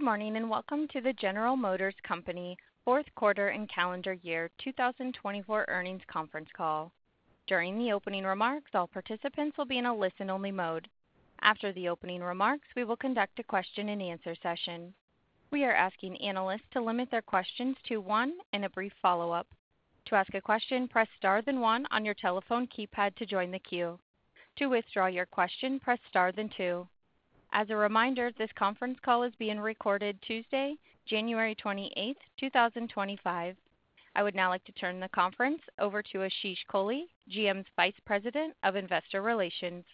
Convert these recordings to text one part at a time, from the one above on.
Good morning and welcome to the General Motors Company Fourth Quarter and Calendar Year 2024 Earnings Conference Call. During the opening remarks, all participants will be in a listen-only mode. After the opening remarks, we will conduct a question-and-answer session. We are asking analysts to limit their questions to one and a brief follow-up. To ask a question, press star then one on your telephone keypad to join the queue. To withdraw your question, press star then two. As a reminder, this conference call is being recorded Tuesday, January 28th, 2025. I would now like to turn the conference over to Ashish Kohli, GM's Vice President of Investor Relations.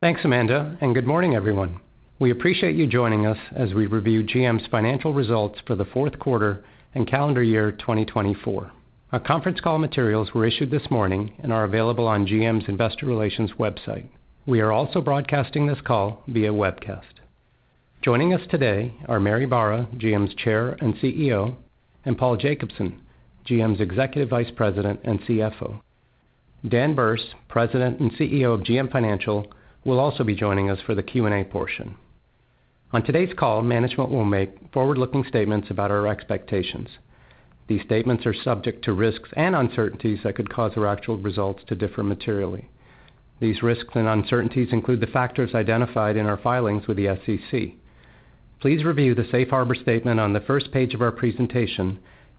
Thanks, Amanda, and good morning, everyone. We appreciate you joining us as we review GM's financial results for the fourth quarter and calendar year 2024. Our conference call materials were issued this morning and are available on GM's Investor Relations website. We are also broadcasting this call via webcast. Joining us today are Mary Barra, GM's Chair and CEO, and Paul Jacobson, GM's Executive Vice President and CFO. Dan Berce, President and CEO of GM Financial, will also be joining us for the Q&A portion. On today's call, management will make forward-looking statements about our expectations. These statements are subject to risks and uncertainties that could cause our actual results to differ materially. These risks and uncertainties include the factors identified in our filings with the SEC. Please review the safe harbor statement on the first page of our presentation,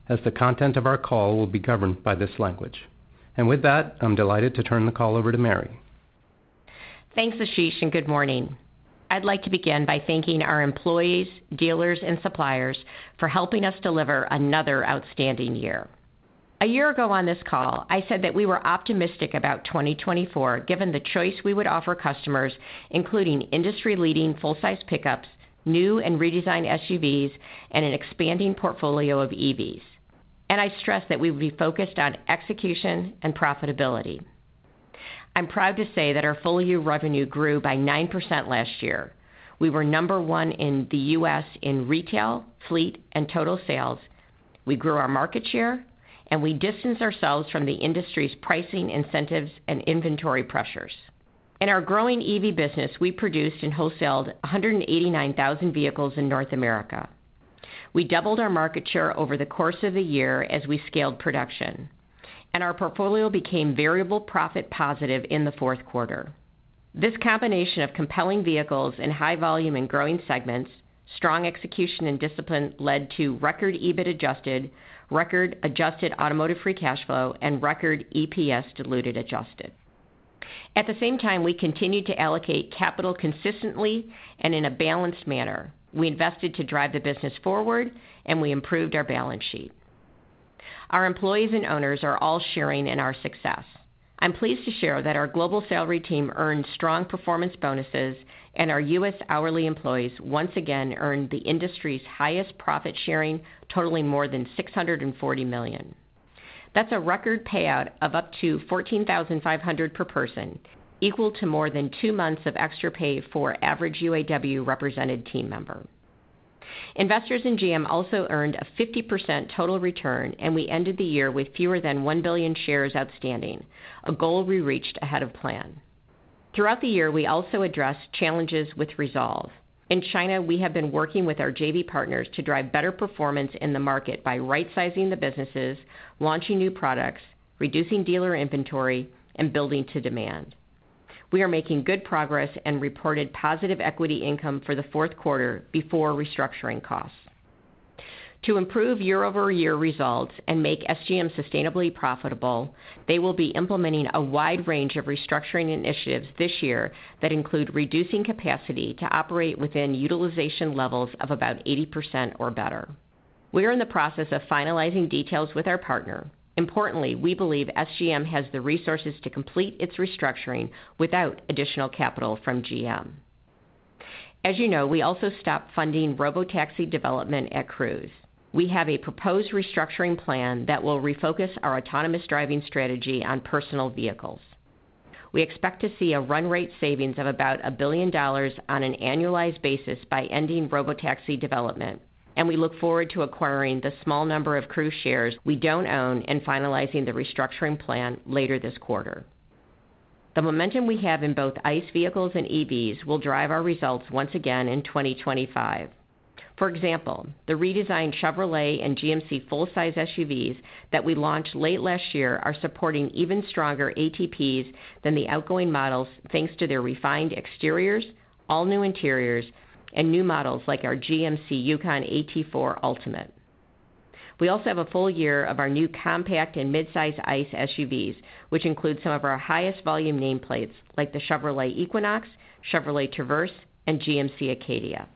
as the content of our call will be governed by this language. And with that, I'm delighted to turn the call over to Mary. Thanks, Ashish, and good morning. I'd like to begin by thanking our employees, dealers, and suppliers for helping us deliver another outstanding year. A year ago on this call, I said that we were optimistic about 2024, given the choice we would offer customers, including industry-leading full-size pickups, new and redesigned SUVs, and an expanding portfolio of EVs, and I stressed that we would be focused on execution and profitability. I'm proud to say that our full-year revenue grew by 9% last year. We were number one in the U.S. in retail, fleet, and total sales. We grew our market share, and we distanced ourselves from the industry's pricing incentives and inventory pressures. In our growing EV business, we produced and wholesaled 189,000 vehicles in North America. We doubled our market share over the course of the year as we scaled production, and our portfolio became variable profit positive in the fourth quarter. This combination of compelling vehicles and high volume and growing segments, strong execution and discipline led to record EBIT Adjusted, record adjusted automotive free cash flow, and record EPS Diluted Adjusted. At the same time, we continued to allocate capital consistently and in a balanced manner. We invested to drive the business forward, and we improved our balance sheet. Our employees and owners are all sharing in our success. I'm pleased to share that our global salaried team earned strong performance bonuses, and our U.S. hourly employees once again earned the industry's highest profit sharing, totaling more than $640 million. That's a record payout of up to $14,500 per person, equal to more than two months of extra pay for average UAW-represented team member. Investors in GM also earned a 50% total return, and we ended the year with fewer than 1 billion shares outstanding, a goal we reached ahead of plan. Throughout the year, we also addressed challenges with resolve. In China, we have been working with our JV partners to drive better performance in the market by right-sizing the businesses, launching new products, reducing dealer inventory, and building to demand. We are making good progress and reported positive equity income for the fourth quarter before restructuring costs. To improve year-over-year results and make SGM sustainably profitable, they will be implementing a wide range of restructuring initiatives this year that include reducing capacity to operate within utilization levels of about 80% or better. We are in the process of finalizing details with our partner. Importantly, we believe SGM has the resources to complete its restructuring without additional capital from GM. As you know, we also stopped funding robotaxi development at Cruise. We have a proposed restructuring plan that will refocus our autonomous driving strategy on personal vehicles. We expect to see a run rate savings of about $1 billion on an annualized basis by ending robotaxi development, and we look forward to acquiring the small number of Cruise shares we don't own and finalizing the restructuring plan later this quarter. The momentum we have in both ICE vehicles and EVs will drive our results once again in 2025. For example, the redesigned Chevrolet and GMC full-size SUVs that we launched late last year are supporting even stronger ATPs than the outgoing models thanks to their refined exteriors, all-new interiors, and new models like our GMC Yukon AT4 Ultimate. We also have a full year of our new compact and midsize ICE SUVs, which include some of our highest volume nameplates like the Chevrolet Equinox, Chevrolet Traverse, and GMC Acadia.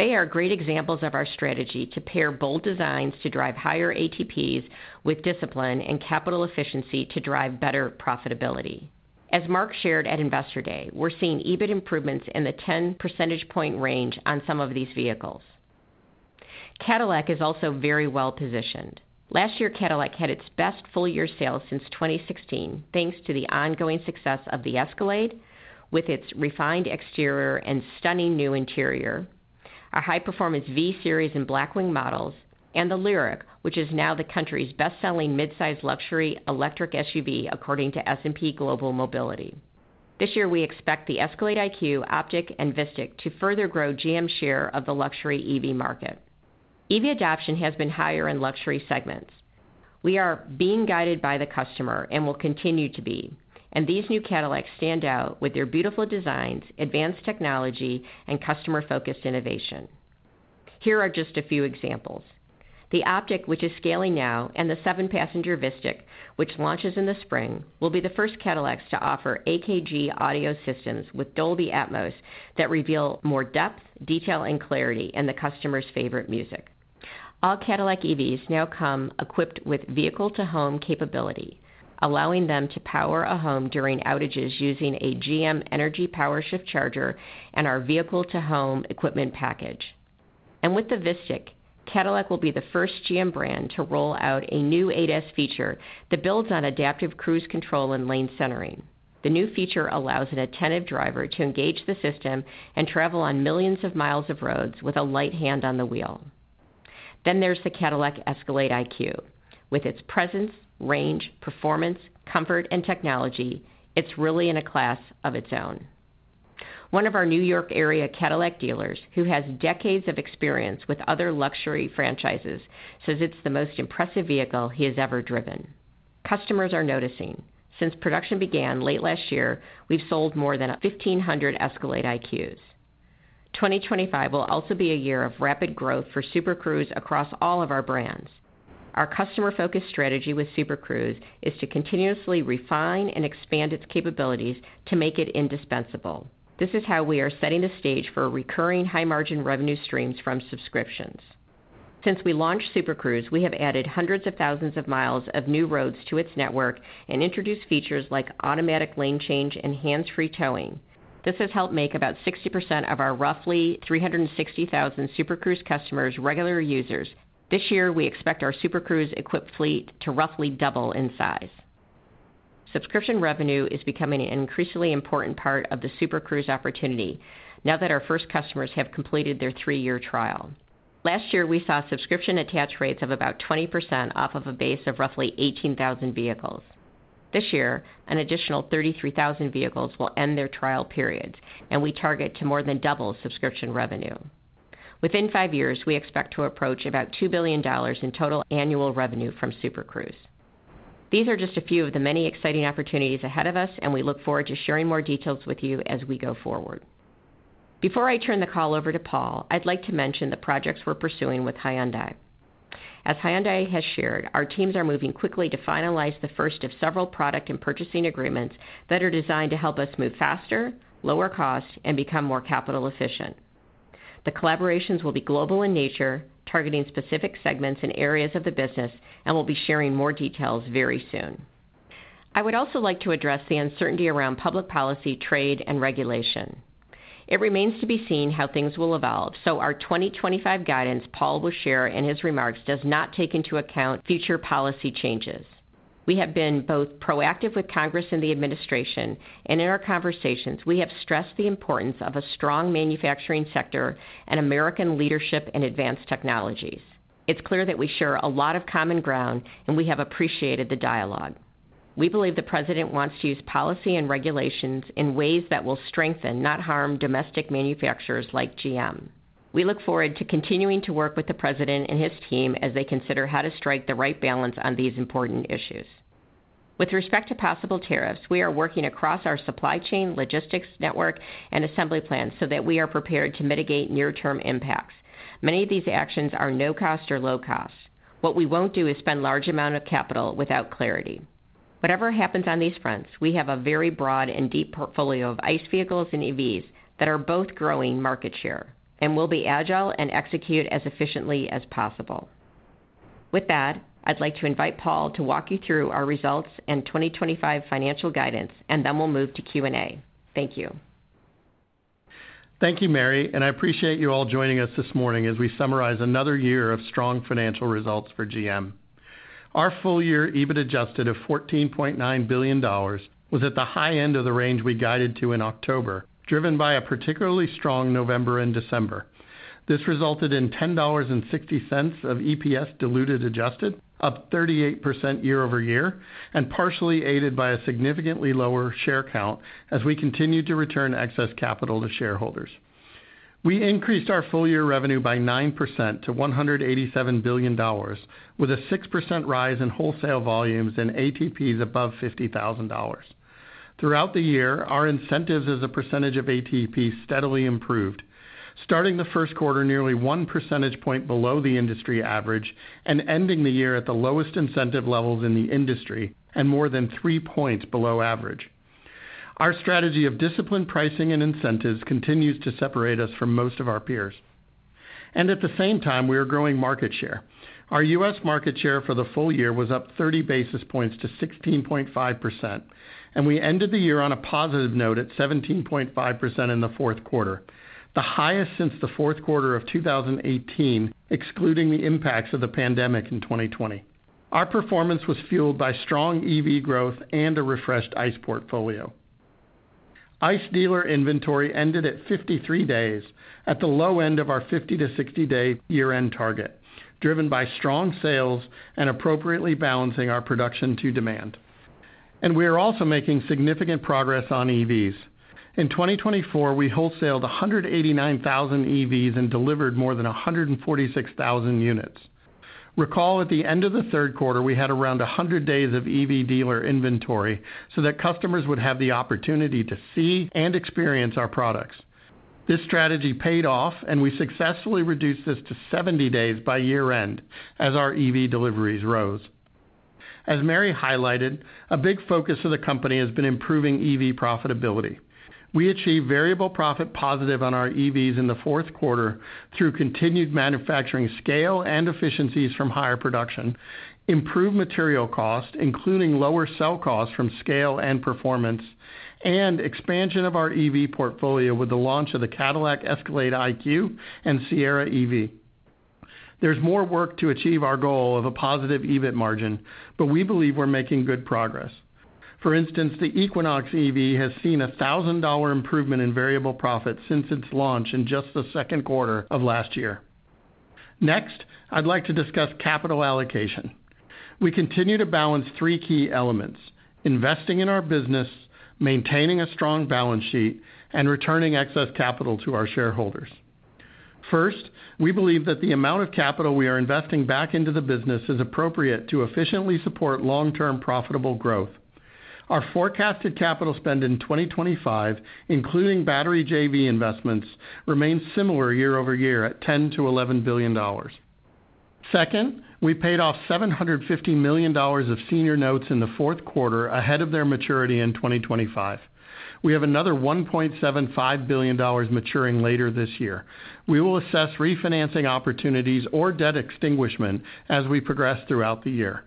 They are great examples of our strategy to pair bold designs to drive higher ATPs with discipline and capital efficiency to drive better profitability. As Mark shared at Investor Day, we're seeing EBIT improvements in the 10 percentage point range on some of these vehicles. Cadillac is also very well positioned. Last year, Cadillac had its best full-year sales since 2016, thanks to the ongoing success of the Escalade with its refined exterior and stunning new interior, a high-performance V-Series and Blackwing models, and the LYRIQ, which is now the country's best-selling midsize luxury electric SUV, according to S&P Global Mobility. This year, we expect the Escalade IQ, OPTIQ, and VISITIQ to further grow GM's share of the luxury EV market. EV adoption has been higher in luxury segments. We are being guided by the customer and will continue to be. And these new Cadillacs stand out with their beautiful designs, advanced technology, and customer-focused innovation. Here are just a few examples. The OPTIQ, which is scaling now, and the seven-passenger VISITIQ, which launches in the spring, will be the first Cadillacs to offer AKG audio systems with Dolby Atmos that reveal more depth, detail, and clarity in the customer's favorite music. All Cadillac EVs now come equipped with vehicle-to-home capability, allowing them to power a home during outages using a GM Energy PowerShift charger and our vehicle-to-home equipment package. And with the VISTIQ, Cadillac will be the first GM brand to roll out a new ADAS feature that builds on adaptive cruise control and lane centering. The new feature allows an attentive driver to engage the system and travel on millions of miles of roads with a light hand on the wheel. Then there's the Cadillac Escalade IQ. With its presence, range, performance, comfort, and technology, it's really in a class of its own. One of our New York area Cadillac dealers, who has decades of experience with other luxury franchises, says it's the most impressive vehicle he has ever driven. Customers are noticing. Since production began late last year, we've sold more than 1,500 Escalade IQs. 2025 will also be a year of rapid growth for Super Cruise across all of our brands. Our customer-focused strategy with Super Cruise is to continuously refine and expand its capabilities to make it indispensable. This is how we are setting the stage for recurring high-margin revenue streams from subscriptions. Since we launched Super Cruise, we have added hundreds of thousands of miles of new roads to its network and introduced features like automatic lane change and hands-free towing. This has helped make about 60% of our roughly 360,000 Super Cruise customers regular users. This year, we expect our Super Cruise-equipped fleet to roughly double in size. Subscription revenue is becoming an increasingly important part of the Super Cruise opportunity now that our first customers have completed their three-year trial. Last year, we saw subscription attach rates of about 20% off of a base of roughly 18,000 vehicles. This year, an additional 33,000 vehicles will end their trial periods, and we target to more than double subscription revenue. Within five years, we expect to approach about $2 billion in total annual revenue from Super Cruise. These are just a few of the many exciting opportunities ahead of us, and we look forward to sharing more details with you as we go forward. Before I turn the call over to Paul, I'd like to mention the projects we're pursuing with Hyundai. As Hyundai has shared, our teams are moving quickly to finalize the first of several product and purchasing agreements that are designed to help us move faster, lower cost, and become more capital efficient. The collaborations will be global in nature, targeting specific segments and areas of the business, and we'll be sharing more details very soon. I would also like to address the uncertainty around public policy, trade, and regulation. It remains to be seen how things will evolve, so our 2025 guidance Paul will share in his remarks does not take into account future policy changes. We have been both proactive with Congress and the administration, and in our conversations, we have stressed the importance of a strong manufacturing sector and American leadership in advanced technologies. It's clear that we share a lot of common ground, and we have appreciated the dialogue. We believe the President wants to use policy and regulations in ways that will strengthen, not harm, domestic manufacturers like GM. We look forward to continuing to work with the President and his team as they consider how to strike the right balance on these important issues. With respect to possible tariffs, we are working across our supply chain, logistics network, and assembly plants so that we are prepared to mitigate near-term impacts. Many of these actions are no-cost or low-cost. What we won't do is spend large amounts of capital without clarity. Whatever happens on these fronts, we have a very broad and deep portfolio of ICE vehicles and EVs that are both growing market share, and we'll be agile and execute as efficiently as possible. With that, I'd like to invite Paul to walk you through our results and 2025 financial guidance, and then we'll move to Q&A. Thank you. Thank you, Mary, and I appreciate you all joining us this morning as we summarize another year of strong financial results for GM. Our full-year EBIT adjusted of $14.9 billion was at the high end of the range we guided to in October, driven by a particularly strong November and December. This resulted in $10.60 of EPS diluted adjusted, up 38% year-over-year, and partially aided by a significantly lower share count as we continued to return excess capital to shareholders. We increased our full-year revenue by 9% to $187 billion, with a 6% rise in wholesale volumes and ATPs above $50,000. Throughout the year, our incentives as a percentage of ATP steadily improved, starting the first quarter nearly one percentage point below the industry average and ending the year at the lowest incentive levels in the industry and more than three points below average. Our strategy of disciplined pricing and incentives continues to separate us from most of our peers. And at the same time, we are growing market share. Our U.S. market share for the full year was up 30 basis points to 16.5%, and we ended the year on a positive note at 17.5% in the fourth quarter, the highest since the fourth quarter of 2018, excluding the impacts of the pandemic in 2020. Our performance was fueled by strong EV growth and a refreshed ICE portfolio. ICE dealer inventory ended at 53 days at the low end of our 50-60-day year-end target, driven by strong sales and appropriately balancing our production to demand. And we are also making significant progress on EVs. In 2024, we wholesaled 189,000 EVs and delivered more than 146,000 units. Recall at the end of the third quarter, we had around 100 days of EV dealer inventory so that customers would have the opportunity to see and experience our products. This strategy paid off, and we successfully reduced this to 70 days by year-end as our EV deliveries rose. As Mary highlighted, a big focus of the company has been improving EV profitability. We achieved variable profit positive on our EVs in the fourth quarter through continued manufacturing scale and efficiencies from higher production, improved material costs, including lower cell costs from scale and performance, and expansion of our EV portfolio with the launch of the Cadillac Escalade IQ and Sierra EV. There's more work to achieve our goal of a positive EBIT margin, but we believe we're making good progress. For instance, the Equinox EV has seen a $1,000 improvement in variable profit since its launch in just the second quarter of last year. Next, I'd like to discuss capital allocation. We continue to balance three key elements: investing in our business, maintaining a strong balance sheet, and returning excess capital to our shareholders. First, we believe that the amount of capital we are investing back into the business is appropriate to efficiently support long-term profitable growth. Our forecasted capital spend in 2025, including battery JV investments, remains similar year-over-year at $10-$11 billion. Second, we paid off $750 million of senior notes in the fourth quarter ahead of their maturity in 2025. We have another $1.75 billion maturing later this year. We will assess refinancing opportunities or debt extinguishment as we progress throughout the year.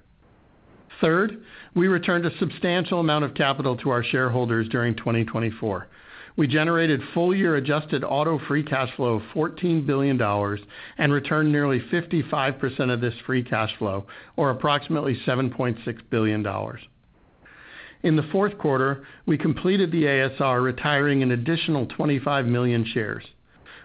Third, we returned a substantial amount of capital to our shareholders during 2024. We generated full-year adjusted auto free cash flow of $14 billion and returned nearly 55% of this free cash flow, or approximately $7.6 billion. In the fourth quarter, we completed the ASR, retiring an additional 25 million shares.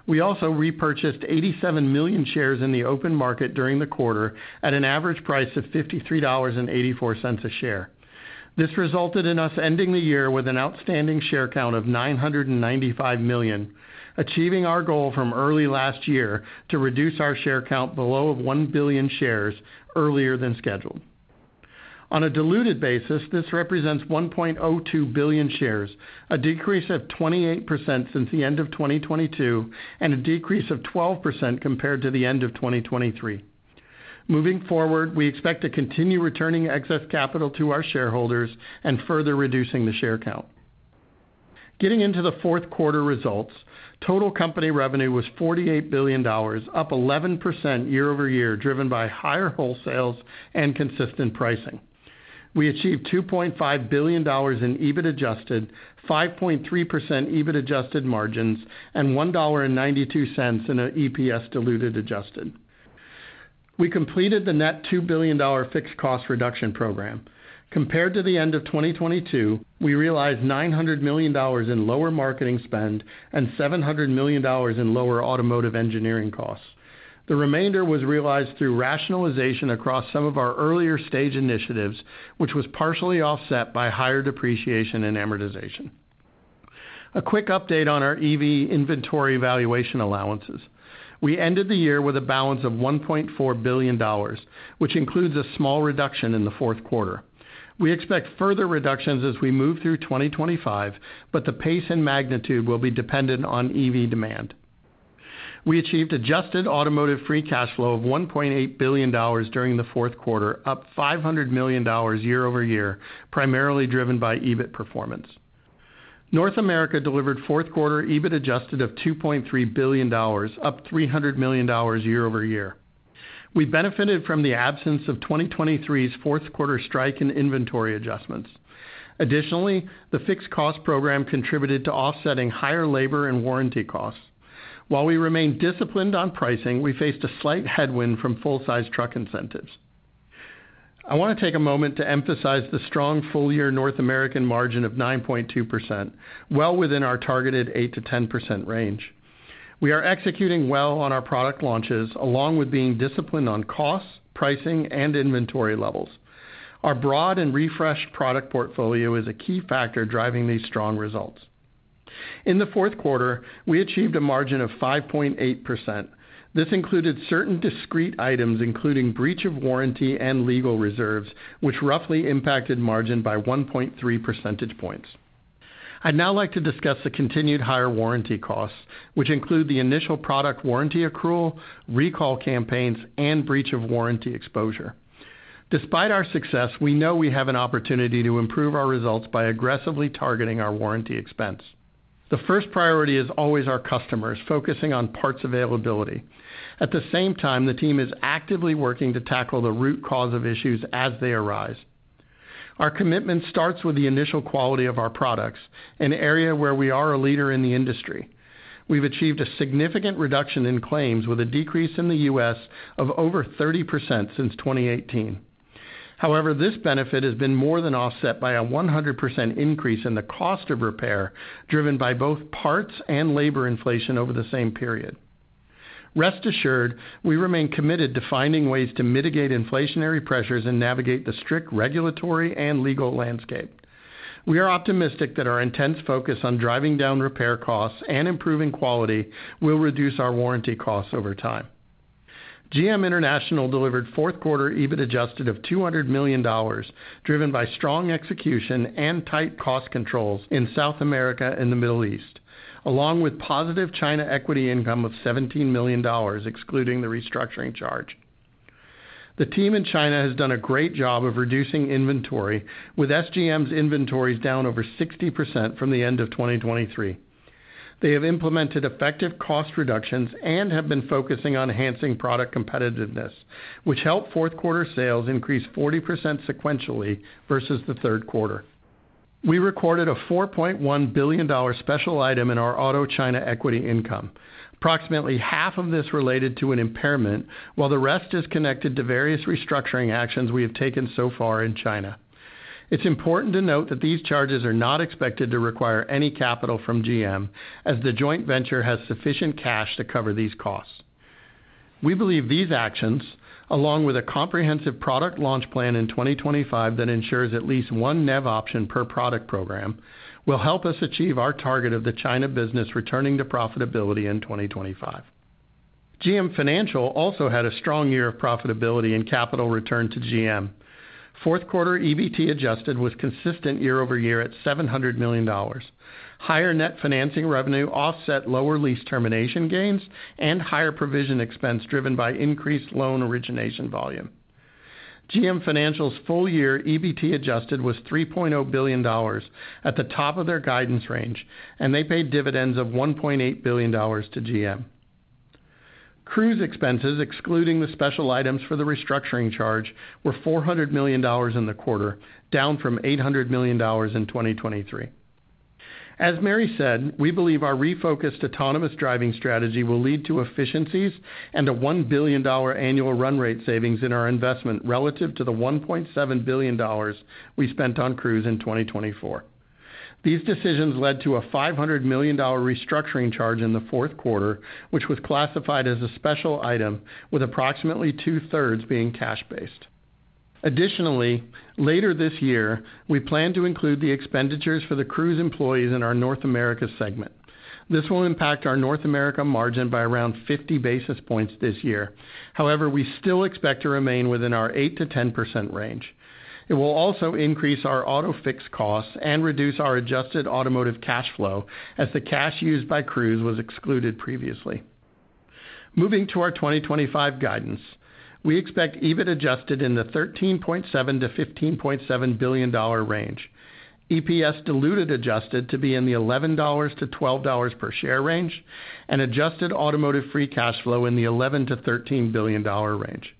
We also repurchased 87 million shares in the open market during the quarter at an average price of $53.84 a share. This resulted in us ending the year with an outstanding share count of 995 million, achieving our goal from early last year to reduce our share count below 1 billion shares earlier than scheduled. On a diluted basis, this represents 1.02 billion shares, a decrease of 28% since the end of 2022 and a decrease of 12% compared to the end of 2023. Moving forward, we expect to continue returning excess capital to our shareholders and further reducing the share count. Getting into the fourth quarter results, total company revenue was $48 billion, up 11% year-over-year, driven by higher wholesales and consistent pricing. We achieved $2.5 billion in EBIT Adjusted, 5.3% EBIT Adjusted margins, and $1.92 in EPS Diluted Adjusted. We completed the net $2 billion fixed cost reduction program. Compared to the end of 2022, we realized $900 million in lower marketing spend and $700 million in lower automotive engineering costs. The remainder was realized through rationalization across some of our earlier stage initiatives, which was partially offset by higher depreciation and amortization. A quick update on our EV inventory valuation allowances. We ended the year with a balance of $1.4 billion, which includes a small reduction in the fourth quarter. We expect further reductions as we move through 2025, but the pace and magnitude will be dependent on EV demand. We achieved adjusted automotive free cash flow of $1.8 billion during the fourth quarter, up $500 million year-over-year, primarily driven by EBIT performance. North America delivered fourth quarter EBIT adjusted of $2.3 billion, up $300 million year-over-year. We benefited from the absence of 2023's fourth quarter strike and inventory adjustments. Additionally, the fixed cost program contributed to offsetting higher labor and warranty costs. While we remained disciplined on pricing, we faced a slight headwind from full-size truck incentives. I want to take a moment to emphasize the strong full-year North American margin of 9.2%, well within our targeted 8%-10% range. We are executing well on our product launches, along with being disciplined on costs, pricing, and inventory levels. Our broad and refreshed product portfolio is a key factor driving these strong results. In the fourth quarter, we achieved a margin of 5.8%. This included certain discrete items, including breach of warranty and legal reserves, which roughly impacted margin by 1.3 percentage points. I'd now like to discuss the continued higher warranty costs, which include the initial product warranty accrual, recall campaigns, and breach of warranty exposure. Despite our success, we know we have an opportunity to improve our results by aggressively targeting our warranty expense. The first priority is always our customers, focusing on parts availability. At the same time, the team is actively working to tackle the root cause of issues as they arise. Our commitment starts with the initial quality of our products, an area where we are a leader in the industry. We've achieved a significant reduction in claims with a decrease in the U.S. of over 30% since 2018. However, this benefit has been more than offset by a 100% increase in the cost of repair, driven by both parts and labor inflation over the same period. Rest assured, we remain committed to finding ways to mitigate inflationary pressures and navigate the strict regulatory and legal landscape. We are optimistic that our intense focus on driving down repair costs and improving quality will reduce our warranty costs over time. GM International delivered fourth quarter EBIT Adjusted of $200 million, driven by strong execution and tight cost controls in South America and the Middle East, along with positive China equity income of $17 million, excluding the restructuring charge. The team in China has done a great job of reducing inventory, with SGM's inventories down over 60% from the end of 2023. They have implemented effective cost reductions and have been focusing on enhancing product competitiveness, which helped fourth quarter sales increase 40% sequentially versus the third quarter. We recorded a $4.1 billion special item in our auto China equity income. Approximately half of this related to an impairment, while the rest is connected to various restructuring actions we have taken so far in China. It's important to note that these charges are not expected to require any capital from GM, as the joint venture has sufficient cash to cover these costs. We believe these actions, along with a comprehensive product launch plan in 2025 that ensures at least one NEV option per product program, will help us achieve our target of the China business returning to profitability in 2025. GM Financial also had a strong year of profitability and capital return to GM. Fourth quarter EBIT Adjusted was consistent year-over-year at $700 million. Higher net financing revenue offset lower lease termination gains and higher provision expense driven by increased loan origination volume. GM Financial's full-year EBIT Adjusted was $3.0 billion at the top of their guidance range, and they paid dividends of $1.8 billion to GM. Cruise expenses, excluding the special items for the restructuring charge, were $400 million in the quarter, down from $800 million in 2023. As Mary said, we believe our refocused autonomous driving strategy will lead to efficiencies and a $1 billion annual run rate savings in our investment relative to the $1.7 billion we spent on Cruise in 2024. These decisions led to a $500 million restructuring charge in the fourth quarter, which was classified as a special item, with approximately two-thirds being cash-based. Additionally, later this year, we plan to include the expenditures for the Cruise employees in our North America segment. This will impact our North America margin by around 50 basis points this year. However, we still expect to remain within our 8%-10% range. It will also increase our auto fixed costs and reduce our adjusted automotive cash flow as the cash used by Cruise was excluded previously. Moving to our 2025 guidance, we expect EBIT Adjusted in the $13.7-$15.7 billion range, EPS Diluted Adjusted to be in the $11-$12 per share range, and adjusted automotive free cash flow in the $11-$13 billion range.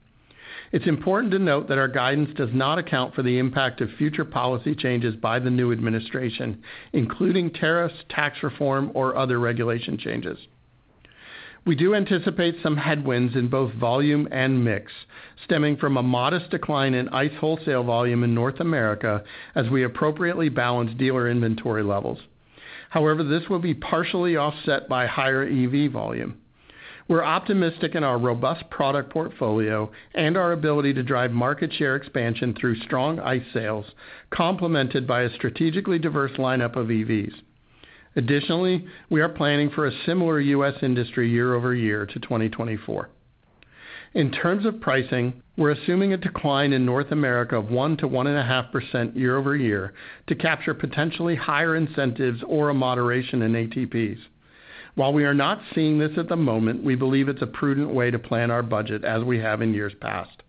It's important to note that our guidance does not account for the impact of future policy changes by the new administration, including tariffs, tax reform, or other regulation changes. We do anticipate some headwinds in both volume and mix, stemming from a modest decline in ICE wholesale volume in North America as we appropriately balance dealer inventory levels. However, this will be partially offset by higher EV volume. We're optimistic in our robust product portfolio and our ability to drive market share expansion through strong ICE sales, complemented by a strategically diverse lineup of EVs. Additionally, we are planning for a similar U.S. industry year-over-year to 2024. In terms of pricing, we're assuming a decline in North America of 1-1.5% year-over-year to capture potentially higher incentives or a moderation in ATPs. While we are not seeing this at the moment, we believe it's a prudent way to plan our budget as we have in years past.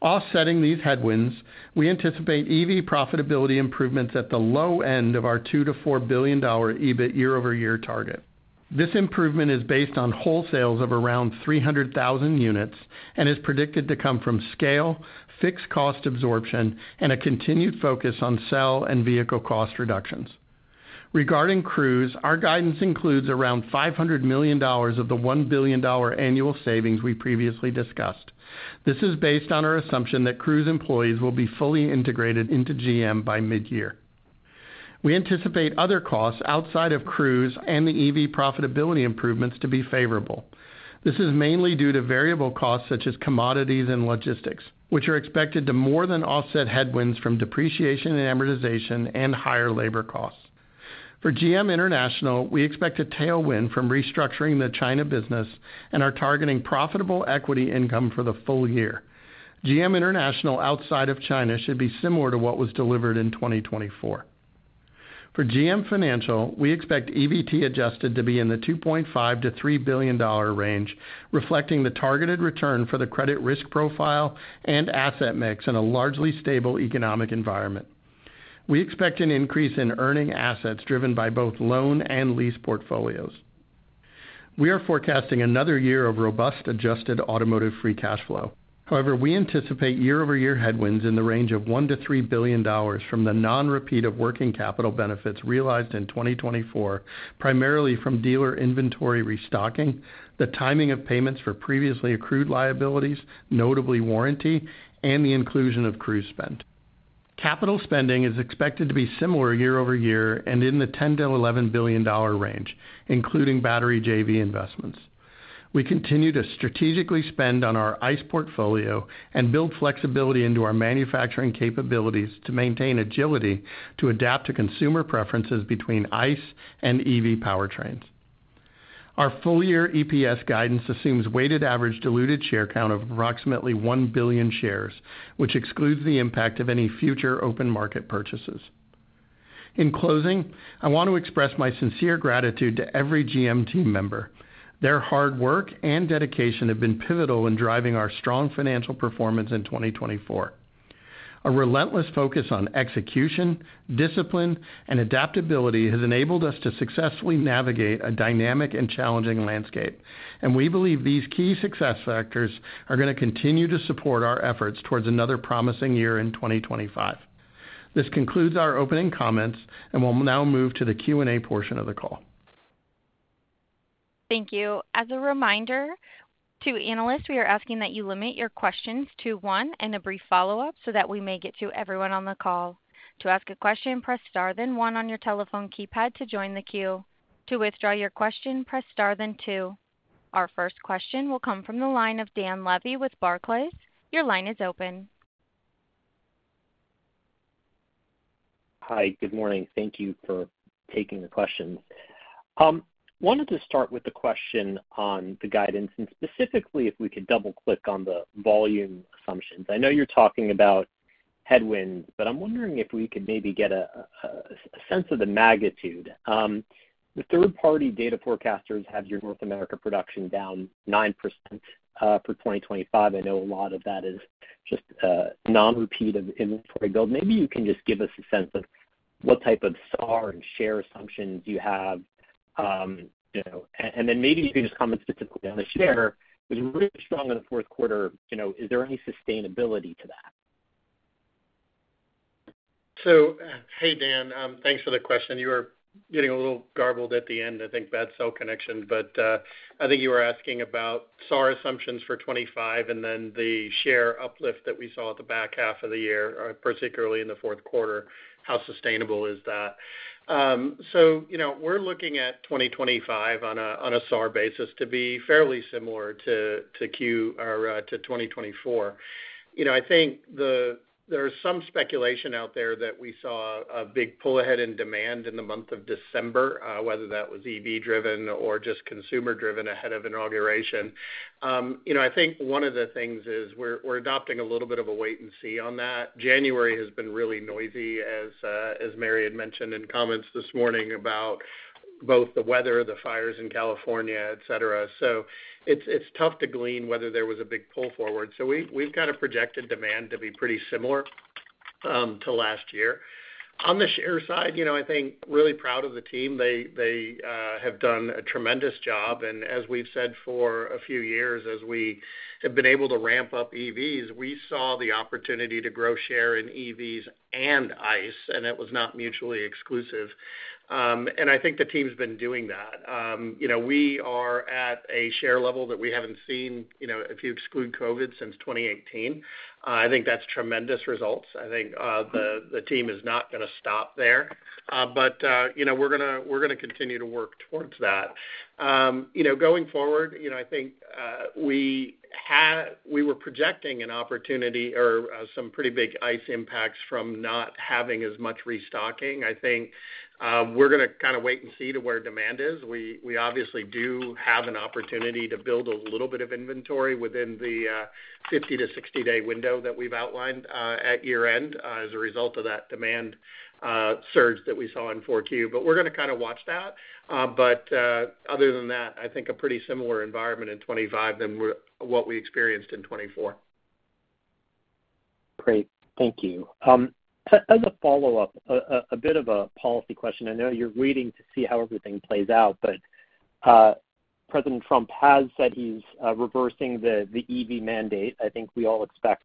Offsetting these headwinds, we anticipate EV profitability improvements at the low end of our $2-$4 billion EBIT year-over-year target. This improvement is based on wholesales of around 300,000 units and is predicted to come from scale, fixed cost absorption, and a continued focus on sale and vehicle cost reductions. Regarding Cruise, our guidance includes around $500 million of the $1 billion annual savings we previously discussed. This is based on our assumption that Cruise employees will be fully integrated into GM by mid-year. We anticipate other costs outside of Cruise and the EV profitability improvements to be favorable. This is mainly due to variable costs such as commodities and logistics, which are expected to more than offset headwinds from depreciation and amortization and higher labor costs. For GM International, we expect a tailwind from restructuring the China business and are targeting profitable equity income for the full year. GM International outside of China should be similar to what was delivered in 2024. For GM Financial, we expect EBIT Adjusted to be in the $2.5-$3 billion range, reflecting the targeted return for the credit risk profile and asset mix in a largely stable economic environment. We expect an increase in earning assets driven by both loan and lease portfolios. We are forecasting another year of robust adjusted automotive free cash flow. However, we anticipate year-over-year headwinds in the range of $1-$3 billion from the non-repeat of working capital benefits realized in 2024, primarily from dealer inventory restocking, the timing of payments for previously accrued liabilities, notably warranty, and the inclusion of Cruise spend. Capital spending is expected to be similar year-over-year and in the $10-$11 billion range, including battery JV investments. We continue to strategically spend on our ICE portfolio and build flexibility into our manufacturing capabilities to maintain agility to adapt to consumer preferences between ICE and EV powertrains. Our full-year EPS guidance assumes weighted average diluted share count of approximately one billion shares, which excludes the impact of any future open market purchases. In closing, I want to express my sincere gratitude to every GM team member. Their hard work and dedication have been pivotal in driving our strong financial performance in 2024. A relentless focus on execution, discipline, and adaptability has enabled us to successfully navigate a dynamic and challenging landscape, and we believe these key success factors are going to continue to support our efforts towards another promising year in 2025. This concludes our opening comments, and we'll now move to the Q&A portion of the call. Thank you. As a reminder to analysts, we are asking that you limit your questions to one and a brief follow-up so that we may get to everyone on the call. To ask a question, press star then one on your telephone keypad to join the queue. To withdraw your question, press star then two. Our first question will come from the line of Dan Levy with Barclays. Your line is open. Hi, good morning. Thank you for taking the question. I wanted to start with the question on the guidance and specifically if we could double-click on the volume assumptions. I know you're talking about headwinds, but I'm wondering if we could maybe get a sense of the magnitude? The third-party data forecasters have your North America production down 9% for 2025. I know a lot of that is just non-repeat of inventory build. Maybe you can just give us a sense of what type of SAR and share assumptions you have, and then maybe you can just comment specifically on the share. It was really strong in the fourth quarter. Is there any sustainability to that? So, hey, Dan, thanks for the question. You were getting a little garbled at the end, I think, bad cell connection, but I think you were asking about SAR assumptions for 2025 and then the share uplift that we saw at the back half of the year, particularly in the fourth quarter. How sustainable is that? So we're looking at 2025 on a SAR basis to be fairly similar to '24 or to 2024. I think there is some speculation out there that we saw a big pull ahead in demand in the month of December, whether that was EV-driven or just consumer-driven ahead of inauguration. I think one of the things is we're adopting a little bit of a wait and see on that. January has been really noisy, as Mary had mentioned in comments this morning about both the weather, the fires in California, etc., so it's tough to glean whether there was a big pull forward, so we've kind of projected demand to be pretty similar to last year. On the share side, I think really proud of the team. They have done a tremendous job, and as we've said for a few years, as we have been able to ramp up EVs, we saw the opportunity to grow share in EVs and ICE, and it was not mutually exclusive, and I think the team's been doing that. We are at a share level that we haven't seen if you exclude COVID since 2018. I think that's tremendous results. I think the team is not going to stop there, but we're going to continue to work towards that. Going forward, I think we were projecting an opportunity or some pretty big ICE impacts from not having as much restocking. I think we're going to kind of wait and see to where demand is. We obviously do have an opportunity to build a little bit of inventory within the 50- to 60-day window that we've outlined at year-end as a result of that demand surge that we saw in 4Q. But we're going to kind of watch that. But other than that, I think a pretty similar environment in 2025 than what we experienced in 2024. Great. Thank you. As a follow-up, a bit of a policy question. I know you're waiting to see how everything plays out, but President Trump has said he's reversing the EV mandate. I think we all expect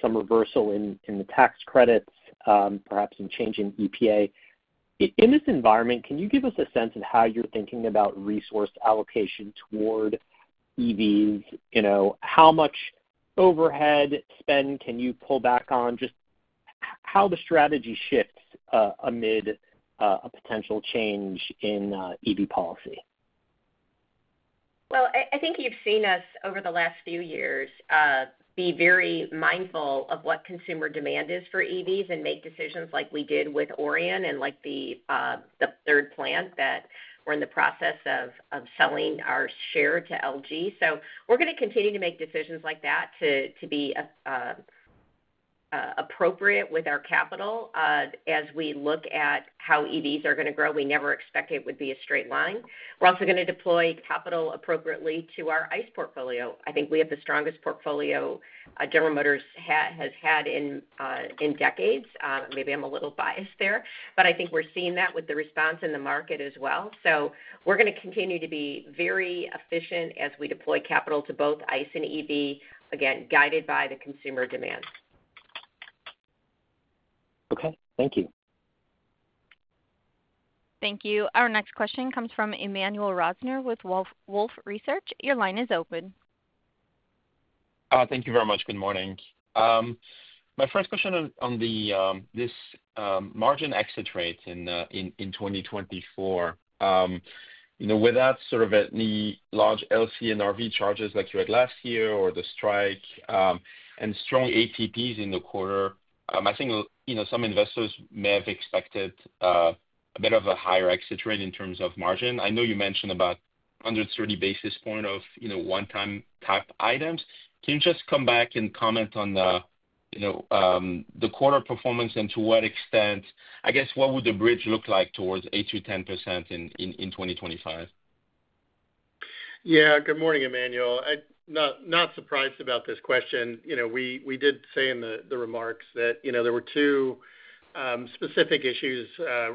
some reversal in the tax credits, perhaps some change in EPA. In this environment, can you give us a sense of how you're thinking about resource allocation toward EVs? How much overhead spend can you pull back on, just how the strategy shifts amid a potential change in EV policy? Well, I think you've seen us over the last few years be very mindful of what consumer demand is for EVs and make decisions like we did with Orion and the third plant that we're in the process of selling our share to LG. So we're going to continue to make decisions like that to be appropriate with our capital as we look at how EVs are going to grow. We never expect it would be a straight line. We're also going to deploy capital appropriately to our ICE portfolio. I think we have the strongest portfolio General Motors has had in decades. Maybe I'm a little biased there, but I think we're seeing that with the response in the market as well. So we're going to continue to be very efficient as we deploy capital to both ICE and EV, again, guided by the consumer demand. Okay. Thank you. Thank you. Our next question comes from Emmanuel Rosner with Wolfe Research. Your line is open. Thank you very much. Good morning. My first question on this margin exit rate in 2024, with that sort of at the large LC RV charges like you had last year or the strike and strong ATPs in the quarter, I think some investors may have expected a bit of a higher exit rate in terms of margin. I know you mentioned about 130 basis points of one-time type items. Can you just come back and comment on the quarter performance and to what extent, I guess, what would the bridge look like towards 8%-10% in 2025? Yeah. Good morning, Emmanuel. Not surprised about this question. We did say in the remarks that there were two specific issues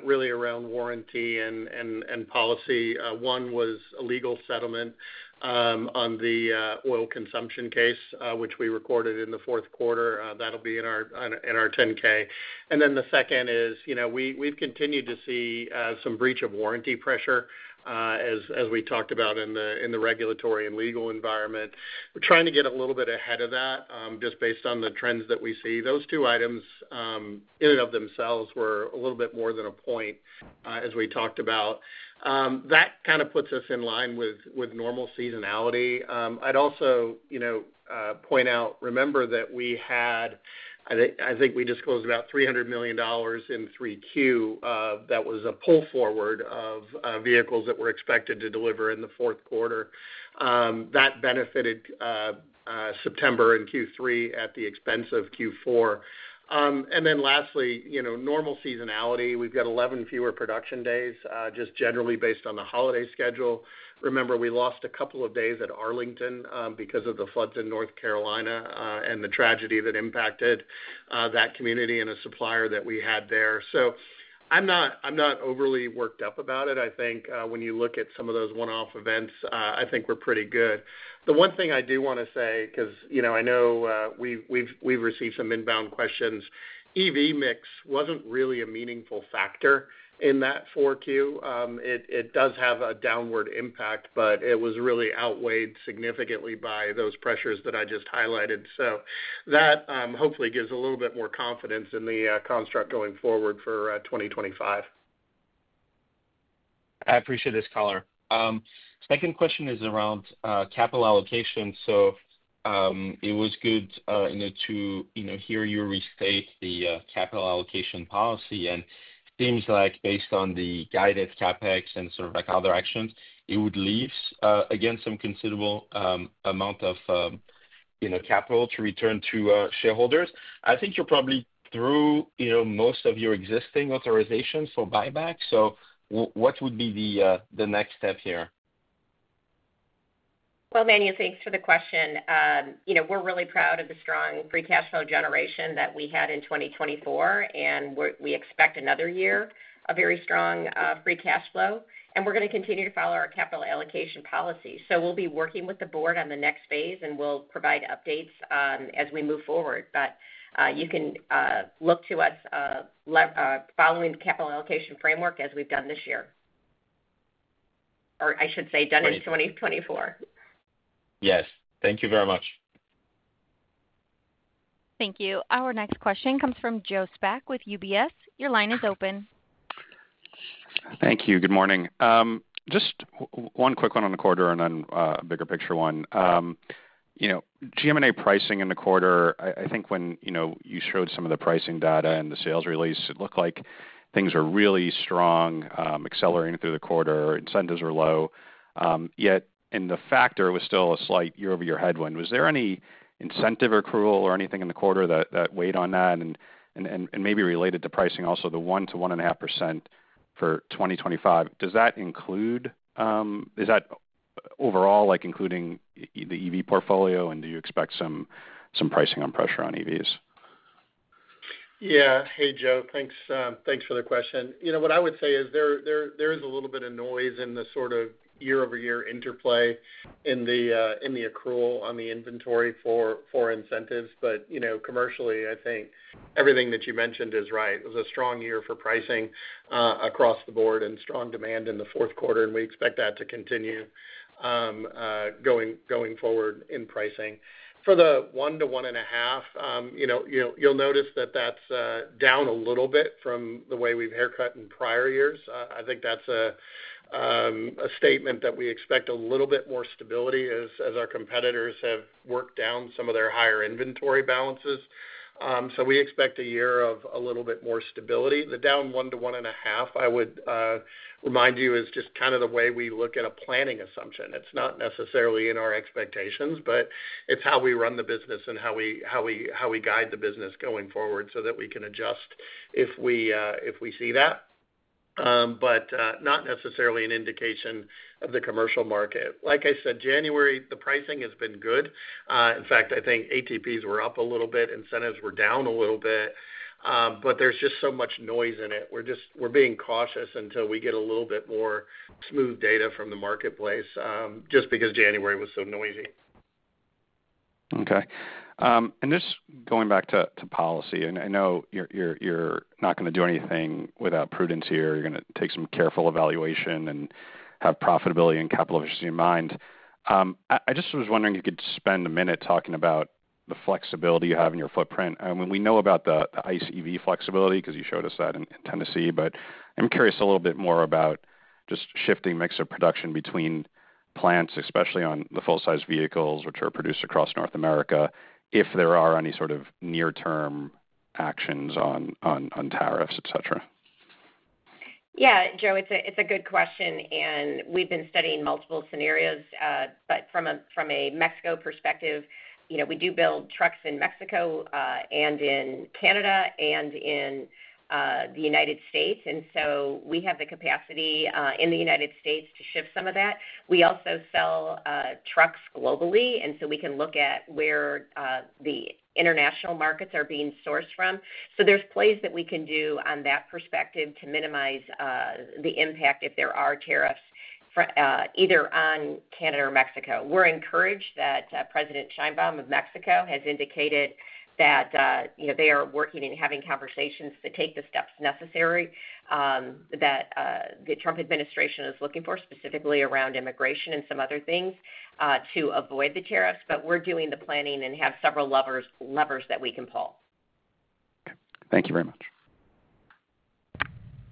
really around warranty and policy. One was a legal settlement on the oil consumption case, which we recorded in the fourth quarter. That'll be in our 10-K. And then the second is we've continued to see some breach of warranty pressure, as we talked about in the regulatory and legal environment. We're trying to get a little bit ahead of that just based on the trends that we see. Those two items in and of themselves were a little bit more than a point, as we talked about. That kind of puts us in line with normal seasonality. I'd also point out, remember that we had, I think we disclosed about $300 million in Q3 that was a pull forward of vehicles that were expected to deliver in the fourth quarter. That benefited September in Q3 at the expense of Q4. And then lastly, normal seasonality. We've got 11 fewer production days just generally based on the holiday schedule. Remember, we lost a couple of days at Arlington because of the floods in North Carolina and the tragedy that impacted that community and a supplier that we had there. So I'm not overly worked up about it. I think when you look at some of those one-off events, I think we're pretty good. The one thing I do want to say, because I know we've received some inbound questions, EV mix wasn't really a meaningful factor in that Q4. It does have a downward impact, but it was really outweighed significantly by those pressures that I just highlighted, so that hopefully gives a little bit more confidence in the construct going forward for 2025. I appreciate this color. Second question is around capital allocation, so it was good to hear you restate the capital allocation policy, and it seems like based on the guidance, CapEx, and sort of other actions, it would leave, again, some considerable amount of capital to return to shareholders. I think you're probably through most of your existing authorizations for buyback, so what would be the next step here? Well, Emmanuel, thanks for the question. We're really proud of the strong free cash flow generation that we had in 2024, and we expect another year of very strong free cash flow, and we're going to continue to follow our capital allocation policy. So we'll be working with the board on the next phase, and we'll provide updates as we move forward. But you can look to us following the capital allocation framework as we've done this year, or I should say done in 2024. Yes. Thank you very much. Thank you. Our next question comes from Joe Spak with UBS. Your line is open. Thank you. Good morning. Just one quick one on the quarter and then a bigger picture one. GM NA pricing in the quarter, I think when you showed some of the pricing data and the sales release, it looked like things were really strong, accelerating through the quarter. Incentives were low. Yet in the factor, it was still a slight year-over-year headwind. Was there any incentive accrual or anything in the quarter that weighed on that? And maybe related to pricing also, the 1%-1.5% for 2025, does that include? Is that overall including the EV portfolio, and do you expect some pricing pressure on EVs? Yeah. Hey, Joe. Thanks for the question. What I would say is there is a little bit of noise in the sort of year-over-year interplay in the accrual on the inventory for incentives. But commercially, I think everything that you mentioned is right. It was a strong year for pricing across the board and strong demand in the fourth quarter, and we expect that to continue going forward in pricing. For the 1%-1.5%, you'll notice that that's down a little bit from the way we've haircut in prior years. I think that's a statement that we expect a little bit more stability as our competitors have worked down some of their higher inventory balances. So we expect a year of a little bit more stability. The down 1-1.5, I would remind you, is just kind of the way we look at a planning assumption. It's not necessarily in our expectations, but it's how we run the business and how we guide the business going forward so that we can adjust if we see that, but not necessarily an indication of the commercial market. Like I said, January, the pricing has been good. In fact, I think ATPs were up a little bit. Incentives were down a little bit. But there's just so much noise in it. We're being cautious until we get a little bit more smooth data from the marketplace just because January was so noisy. Okay. And just going back to policy, and I know you're not going to do anything without prudence here. You're going to take some careful evaluation and have profitability and capital efficiency in mind. I just was wondering if you could spend a minute talking about the flexibility you have in your footprint. I mean, we know about the ICE EV flexibility because you showed us that in Tennessee, but I'm curious a little bit more about just shifting mix of production between plants, especially on the full-size vehicles, which are produced across North America, if there are any sort of near-term actions on tariffs, etc. Yeah, Joe, it's a good question. And we've been studying multiple scenarios, but from a Mexico perspective, we do build trucks in Mexico and in Canada and in the United States. And so we have the capacity in the United States to shift some of that. We also sell trucks globally, and so we can look at where the international markets are being sourced from. So there's plays that we can do on that perspective to minimize the impact if there are tariffs either on Canada or Mexico. We're encouraged that President Sheinbaum of Mexico has indicated that they are working and having conversations to take the steps necessary that the Trump administration is looking for, specifically around immigration and some other things to avoid the tariffs. But we're doing the planning and have several levers that we can pull. Thank you very much.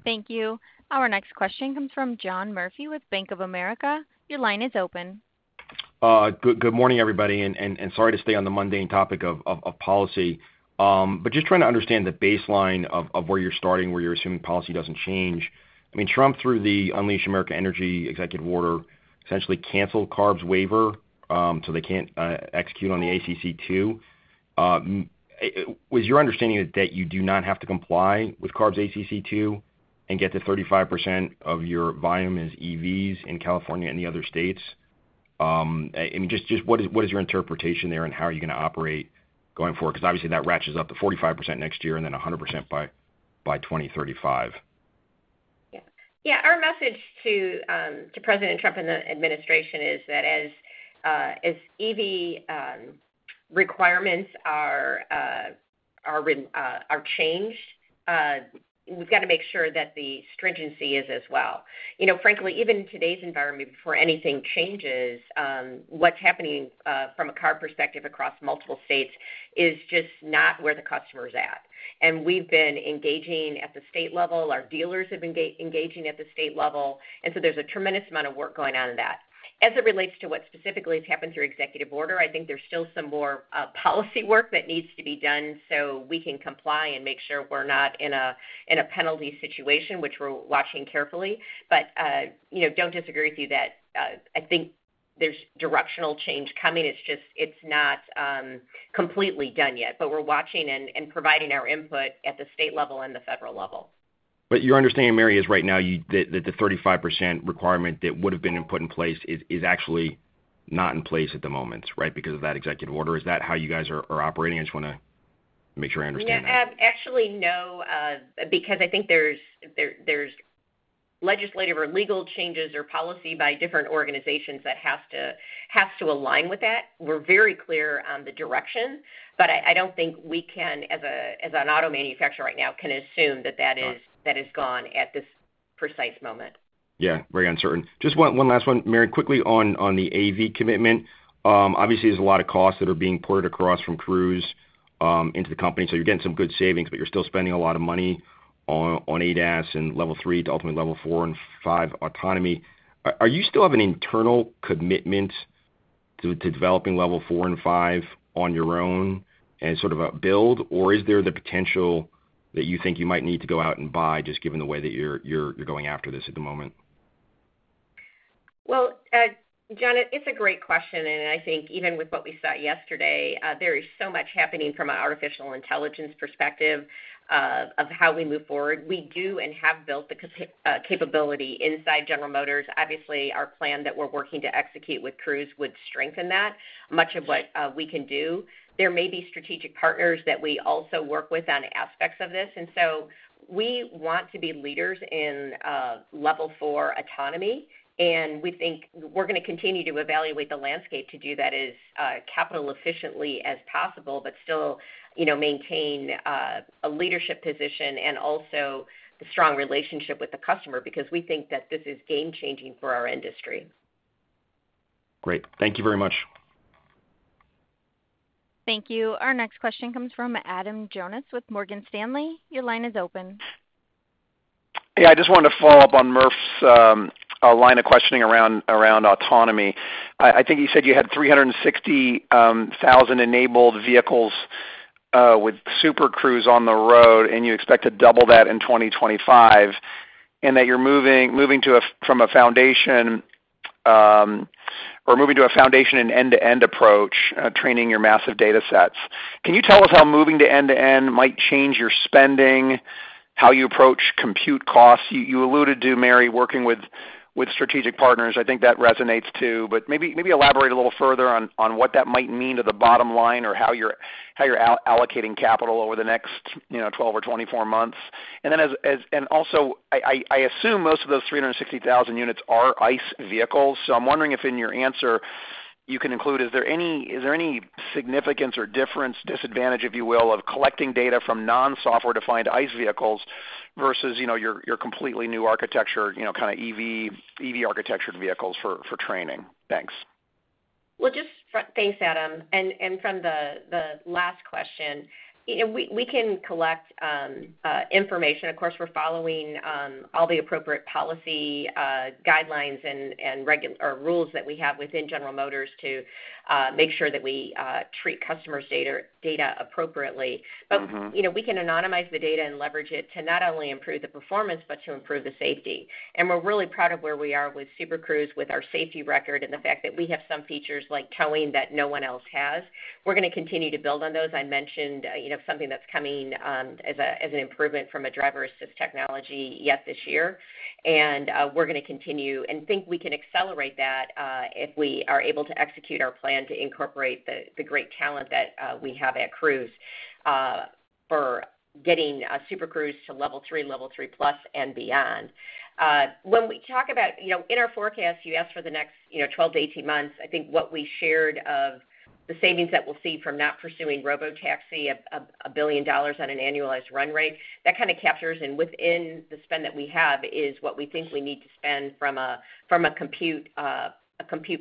Thank you. Our next question comes from John Murphy with Bank of America. Your line is open. Good morning, everybody. And sorry to stay on the mundane topic of policy, but just trying to understand the baseline of where you're starting, where you're assuming policy doesn't change. I mean, Trump, through the Unleash American Energy executive order, essentially canceled CARB's waiver so they can't execute on the ACC II. Was your understanding that you do not have to comply with CARB's ACC II and get to 35% of your volume as EVs in California and the other states? I mean, just what is your interpretation there and how are you going to operate going forward? Because obviously, that ratchets up to 45% next year and then 100% by 2035. Yeah. Yeah. Our message to President Trump and the administration is that as EV requirements are changed, we've got to make sure that the stringency is as well. Frankly, even in today's environment, before anything changes, what's happening from a CARB perspective across multiple states is just not where the customer's at, and we've been engaging at the state level. Our dealers have been engaging at the state level. And so there's a tremendous amount of work going on in that. As it relates to what specifically has happened through executive order, I think there's still some more policy work that needs to be done so we can comply and make sure we're not in a penalty situation, which we're watching carefully. But don't disagree with you that I think there's directional change coming. It's not completely done yet, but we're watching and providing our input at the state level and the federal level. But your understanding, Mary, is right now that the 35% requirement that would have been put in place is actually not in place at the moment, right, because of that executive order. Is that how you guys are operating? I just want to make sure I understand. Yeah. Actually, no, because I think there's legislative or legal changes or policy by different organizations that has to align with that. We're very clear on the direction, but I don't think we can, as an auto manufacturer right now, assume that that is gone at this precise moment. Yeah. Very uncertain. Just one last one, Mary, quickly on the AV commitment. Obviously, there's a lot of costs that are being poured across from Cruise into the company. So you're getting some good savings, but you're still spending a lot of money on ADAS and level three to ultimately level four and five autonomy. Do you still have an internal commitment to developing level four and five on your own as sort of a build, or is there the potential that you think you might need to go out and buy just given the way that you're going after this at the moment? Well, John, it's a great question. And I think even with what we saw yesterday, there is so much happening from an artificial intelligence perspective of how we move forward. We do and have built the capability inside General Motors. Obviously, our plan that we're working to execute with Cruise would strengthen that, much of what we can do. There may be strategic partners that we also work with on aspects of this. And so we want to be leaders in level four autonomy. And we think we're going to continue to evaluate the landscape to do that as capital efficiently as possible, but still maintain a leadership position and also a strong relationship with the customer because we think that this is game-changing for our industry. Great. Thank you very much. Thank you. Our next question comes from Adam Jonas with Morgan Stanley. Your line is open. Yeah. I just wanted to follow up on Murph's line of questioning around autonomy. I think you said you had 360,000 enabled vehicles with Super Cruise on the road, and you expect to double that in 2025, and that you're moving from a foundation or moving to a foundation and end-to-end approach, training your massive data sets. Can you tell us how moving to end-to-end might change your spending, how you approach compute costs? You alluded to, Mary, working with strategic partners. I think that resonates too, but maybe elaborate a little further on what that might mean to the bottom line or how you're allocating capital over the next 12 or 24 months. And also, I assume most of those 360,000 units are ICE vehicles. So I'm wondering if in your answer you can include, is there any significance or difference, disadvantage, if you will, of collecting data from non-software-defined ICE vehicles versus your completely new architecture, kind of EV architecture vehicles for training? Thanks. Well, just thanks, Adam. And from the last question, we can collect information. Of course, we're following all the appropriate policy guidelines and rules that we have within General Motors to make sure that we treat customers' data appropriately. But we can anonymize the data and leverage it to not only improve the performance, but to improve the safety. And we're really proud of where we are with Super Cruise with our safety record and the fact that we have some features like towing that no one else has. We're going to continue to build on those. I mentioned something that's coming as an improvement from a driver-assist technology yet this year. And we're going to continue and think we can accelerate that if we are able to execute our plan to incorporate the great talent that we have at Cruise for getting Super Cruise to Level 3, Level 3 plus, and beyond. When we talk about in our forecast, you asked for the next 12-18 months. I think what we shared of the savings that we'll see from not pursuing Robotaxi, $1 billion on an annualized run rate, that kind of captures within the spend that we have is what we think we need to spend from a compute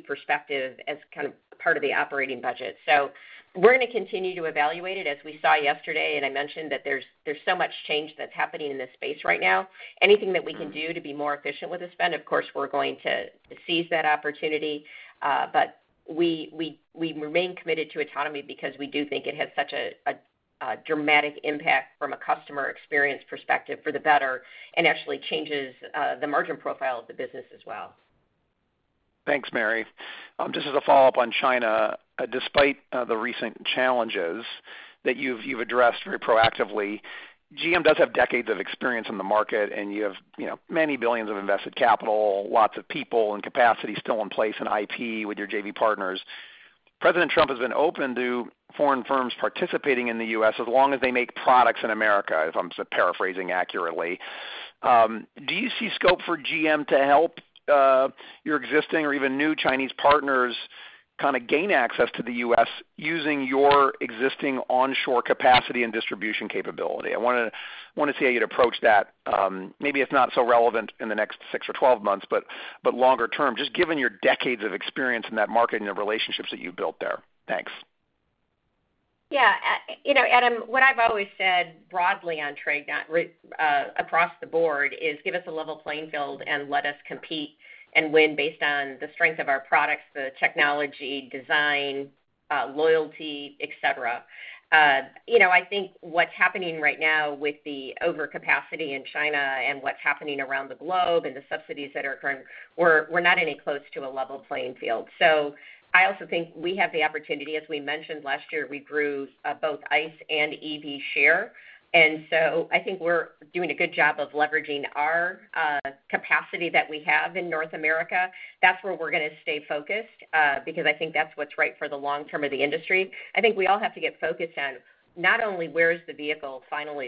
perspective as kind of part of the operating budget. So we're going to continue to evaluate it as we saw yesterday. And I mentioned that there's so much change that's happening in this space right now. Anything that we can do to be more efficient with the spend, of course, we're going to seize that opportunity. But we remain committed to autonomy because we do think it has such a dramatic impact from a customer experience perspective for the better and actually changes the margin profile of the business as well. Thanks, Mary. Just as a follow-up on China, despite the recent challenges that you've addressed very proactively, GM does have decades of experience in the market, and you have many billions of invested capital, lots of people and capacity still in place in IP with your JV partners. President Trump has been open to foreign firms participating in the U.S. as long as they make products in America, if I'm paraphrasing accurately. Do you see scope for GM to help your existing or even new Chinese partners kind of gain access to the U.S. using your existing onshore capacity and distribution capability? I want to see how you'd approach that, maybe if not so relevant in the next six or 12 months, but longer term, just given your decades of experience in that market and the relationships that you've built there. Thanks. Yeah. Adam, what I've always said broadly on trade across the board is give us a level playing field and let us compete and win based on the strength of our products, the technology, design, loyalty, etc. I think what's happening right now with the overcapacity in China and what's happening around the globe and the subsidies that are occurring. We're not anywhere close to a level playing field, so I also think we have the opportunity. As we mentioned last year, we grew both ICE and EV share, and so I think we're doing a good job of leveraging our capacity that we have in North America. That's where we're going to stay focused because I think that's what's right for the long term of the industry. I think we all have to get focused on not only where's the vehicle final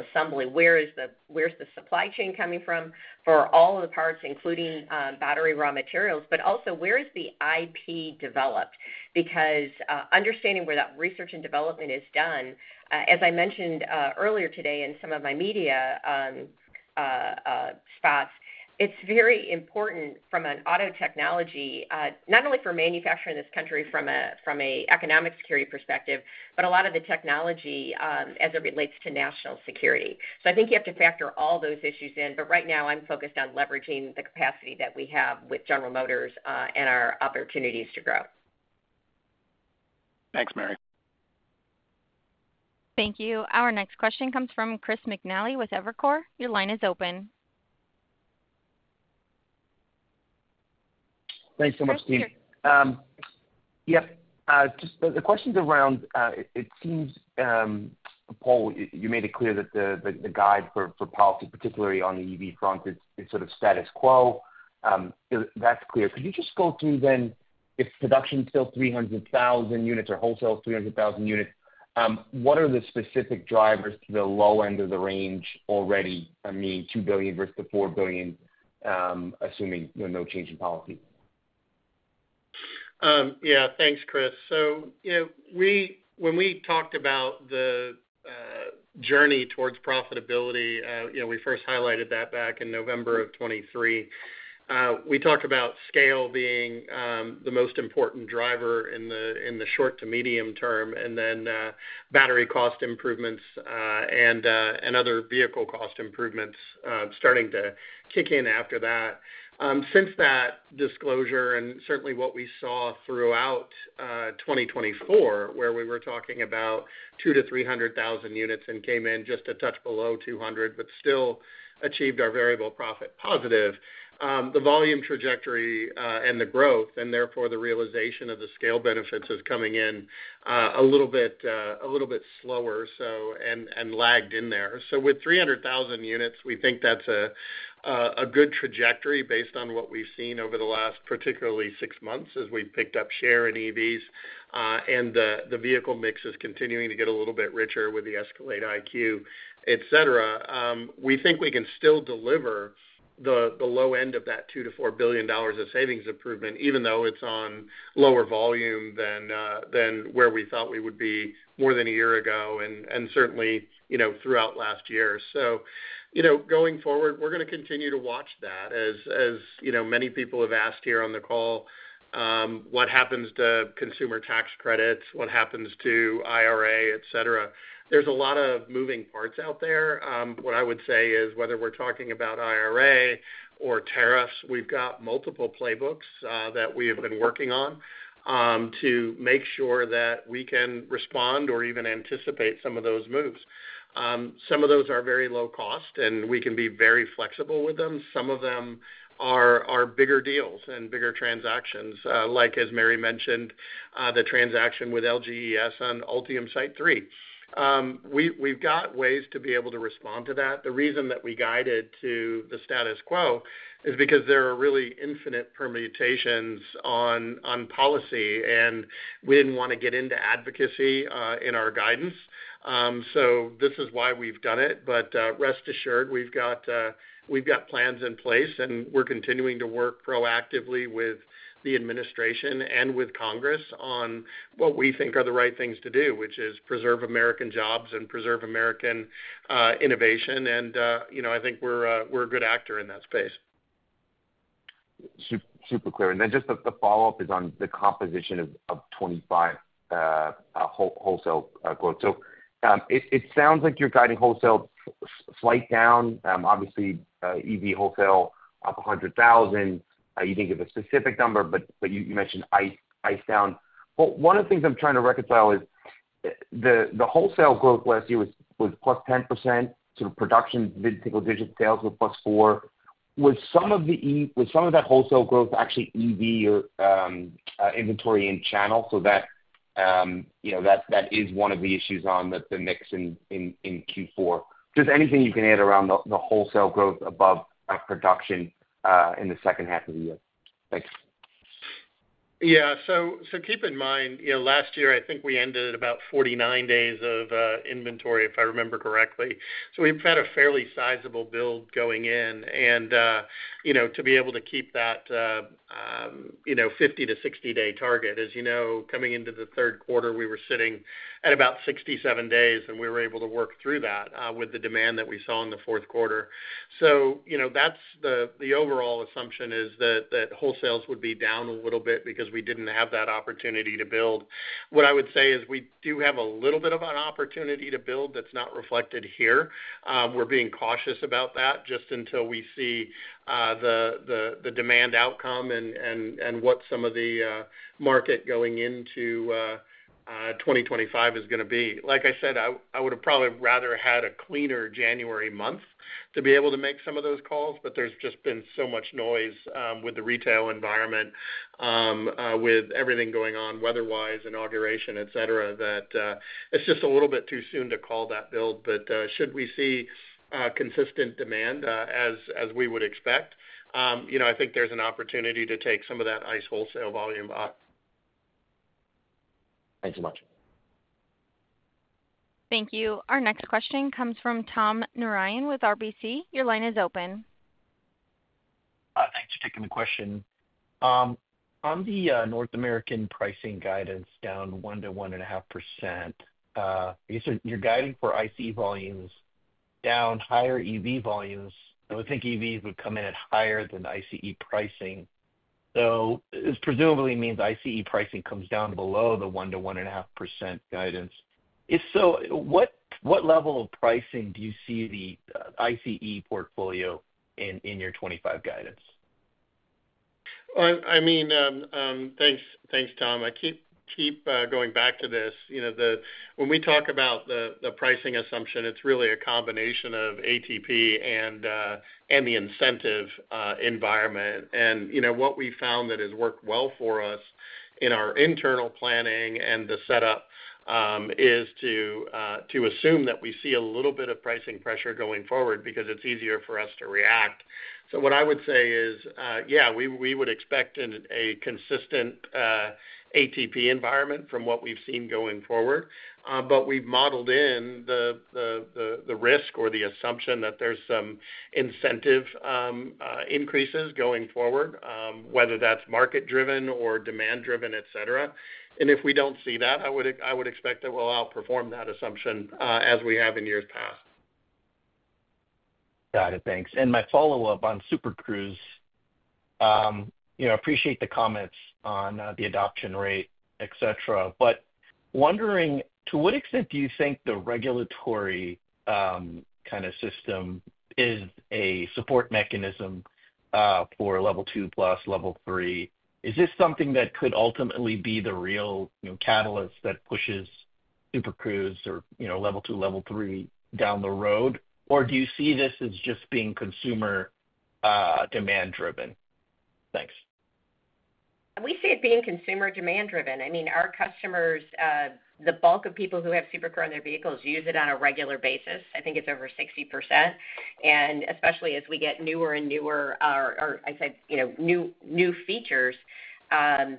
assembly, where's the supply chain coming from for all of the parts, including battery raw materials, but also where's the IP developed? Because understanding where that research and development is done, as I mentioned earlier today in some of my media spots, it's very important from an auto technology, not only for manufacturing this country from an economic security perspective, but a lot of the technology as it relates to national security. So I think you have to factor all those issues in. But right now, I'm focused on leveraging the capacity that we have with General Motors and our opportunities to grow. Thanks, Mary. Thank you. Our next question comes from Chris McNally with Evercore. Your line is open. Thanks so much, team. Yep. Just the questions around, it seems, Paul, you made it clear that the guide for policy, particularly on the EV front, is sort of status quo. That's clear. Could you just go through then if production is still 300,000 units or wholesale 300,000 units, what are the specific drivers to the low end of the range already, meaning $2 billion versus the $4 billion, assuming no change in policy? Yeah. Thanks, Chris. So when we talked about the journey towards profitability, we first highlighted that back in November of 2023. We talked about scale being the most important driver in the short to medium term, and then battery cost improvements and other vehicle cost improvements starting to kick in after that. Since that disclosure, and certainly what we saw throughout 2024, where we were talking about 200,000 to 300,000 units and came in just a touch below 200,000, but still achieved our variable profit positive, the volume trajectory and the growth, and therefore the realization of the scale benefits is coming in a little bit slower and lagged in there, so with 300,000 units, we think that's a good trajectory based on what we've seen over the last particularly six months as we've picked up share in EVs, and the vehicle mix is continuing to get a little bit richer with the Escalade IQ, etc. We think we can still deliver the low end of that $2-$4 billion of savings improvement, even though it's on lower volume than where we thought we would be more than a year ago and certainly throughout last year. So going forward, we're going to continue to watch that. As many people have asked here on the call, what happens to consumer tax credits? What happens to IRA, etc.? There's a lot of moving parts out there. What I would say is whether we're talking about IRA or tariffs, we've got multiple playbooks that we have been working on to make sure that we can respond or even anticipate some of those moves. Some of those are very low cost, and we can be very flexible with them. Some of them are bigger deals and bigger transactions, like as Mary mentioned, the transaction with LGES on Ultium Site 3. We've got ways to be able to respond to that. The reason that we guided to the status quo is because there are really infinite permutations on policy, and we didn't want to get into advocacy in our guidance. This is why we've done it. But rest assured, we've got plans in place, and we're continuing to work proactively with the administration and with Congress on what we think are the right things to do, which is preserve American jobs and preserve American innovation. And I think we're a good actor in that space. Super clear. And then just the follow-up is on the composition of 25 wholesale growth. So it sounds like you're guiding wholesale slight down. Obviously, EV wholesale up 100,000. You didn't give a specific number, but you mentioned ICE down. But one of the things I'm trying to reconcile is the wholesale growth last year was plus 10%. So the production did single-digit sales with plus four. Was some of that wholesale growth actually EV or inventory in channel? So that is one of the issues on the mix in Q4. Just anything you can add around the wholesale growth above production in the second half of the year? Thanks. Yeah. So keep in mind, last year, I think we ended at about 49 days of inventory, if I remember correctly. So we've had a fairly sizable build going in. And to be able to keep that 50-60-day target, as you know, coming into the third quarter, we were sitting at about 67 days, and we were able to work through that with the demand that we saw in the fourth quarter. So that's the overall assumption is that wholesales would be down a little bit because we didn't have that opportunity to build. What I would say is we do have a little bit of an opportunity to build that's not reflected here. We're being cautious about that just until we see the demand outcome and what some of the market going into 2025 is going to be. Like I said, I would have probably rather had a cleaner January month to be able to make some of those calls, but there's just been so much noise with the retail environment, with everything going on, weather-wise, inauguration, etc., that it's just a little bit too soon to call that build. But should we see consistent demand as we would expect, I think there's an opportunity to take some of that ICE wholesale volume up. Thanks so much. Thank you. Our next question comes from Tom Narayan with RBC. Your line is open. Thanks for taking the question. On the North American pricing guidance down 1%-1.5%, you're guiding for ICE volumes down higher EV volumes. I would think EVs would come in at higher than ICE pricing. So it presumably means ICE pricing comes down below the 1%-1.5% guidance. So what level of pricing do you see the ICE portfolio in your 2025 guidance? I mean, thanks, Tom. I keep going back to this. When we talk about the pricing assumption, it's really a combination of ATP and the incentive environment. And what we found that has worked well for us in our internal planning and the setup is to assume that we see a little bit of pricing pressure going forward because it's easier for us to react. So what I would say is, yeah, we would expect a consistent ATP environment from what we've seen going forward. But we've modeled in the risk or the assumption that there's some incentive increases going forward, whether that's market-driven or demand-driven, etc. And if we don't see that, I would expect that we'll outperform that assumption as we have in years past. Got it. Thanks. And my follow-up on Super Cruise, I appreciate the comments on the adoption rate, etc. But wondering, to what extent do you think the regulatory kind of system is a support mechanism for Level 2 plus, Level 3? Is this something that could ultimately be the real catalyst that pushes Super Cruise or Level 2, Level 3 down the road? Or do you see this as just being consumer demand-driven? Thanks. We see it being consumer demand-driven. I mean, our customers, the bulk of people who have Super Cruise on their vehicles use it on a regular basis. I think it's over 60%. And especially as we get newer and newer, or I said new features, it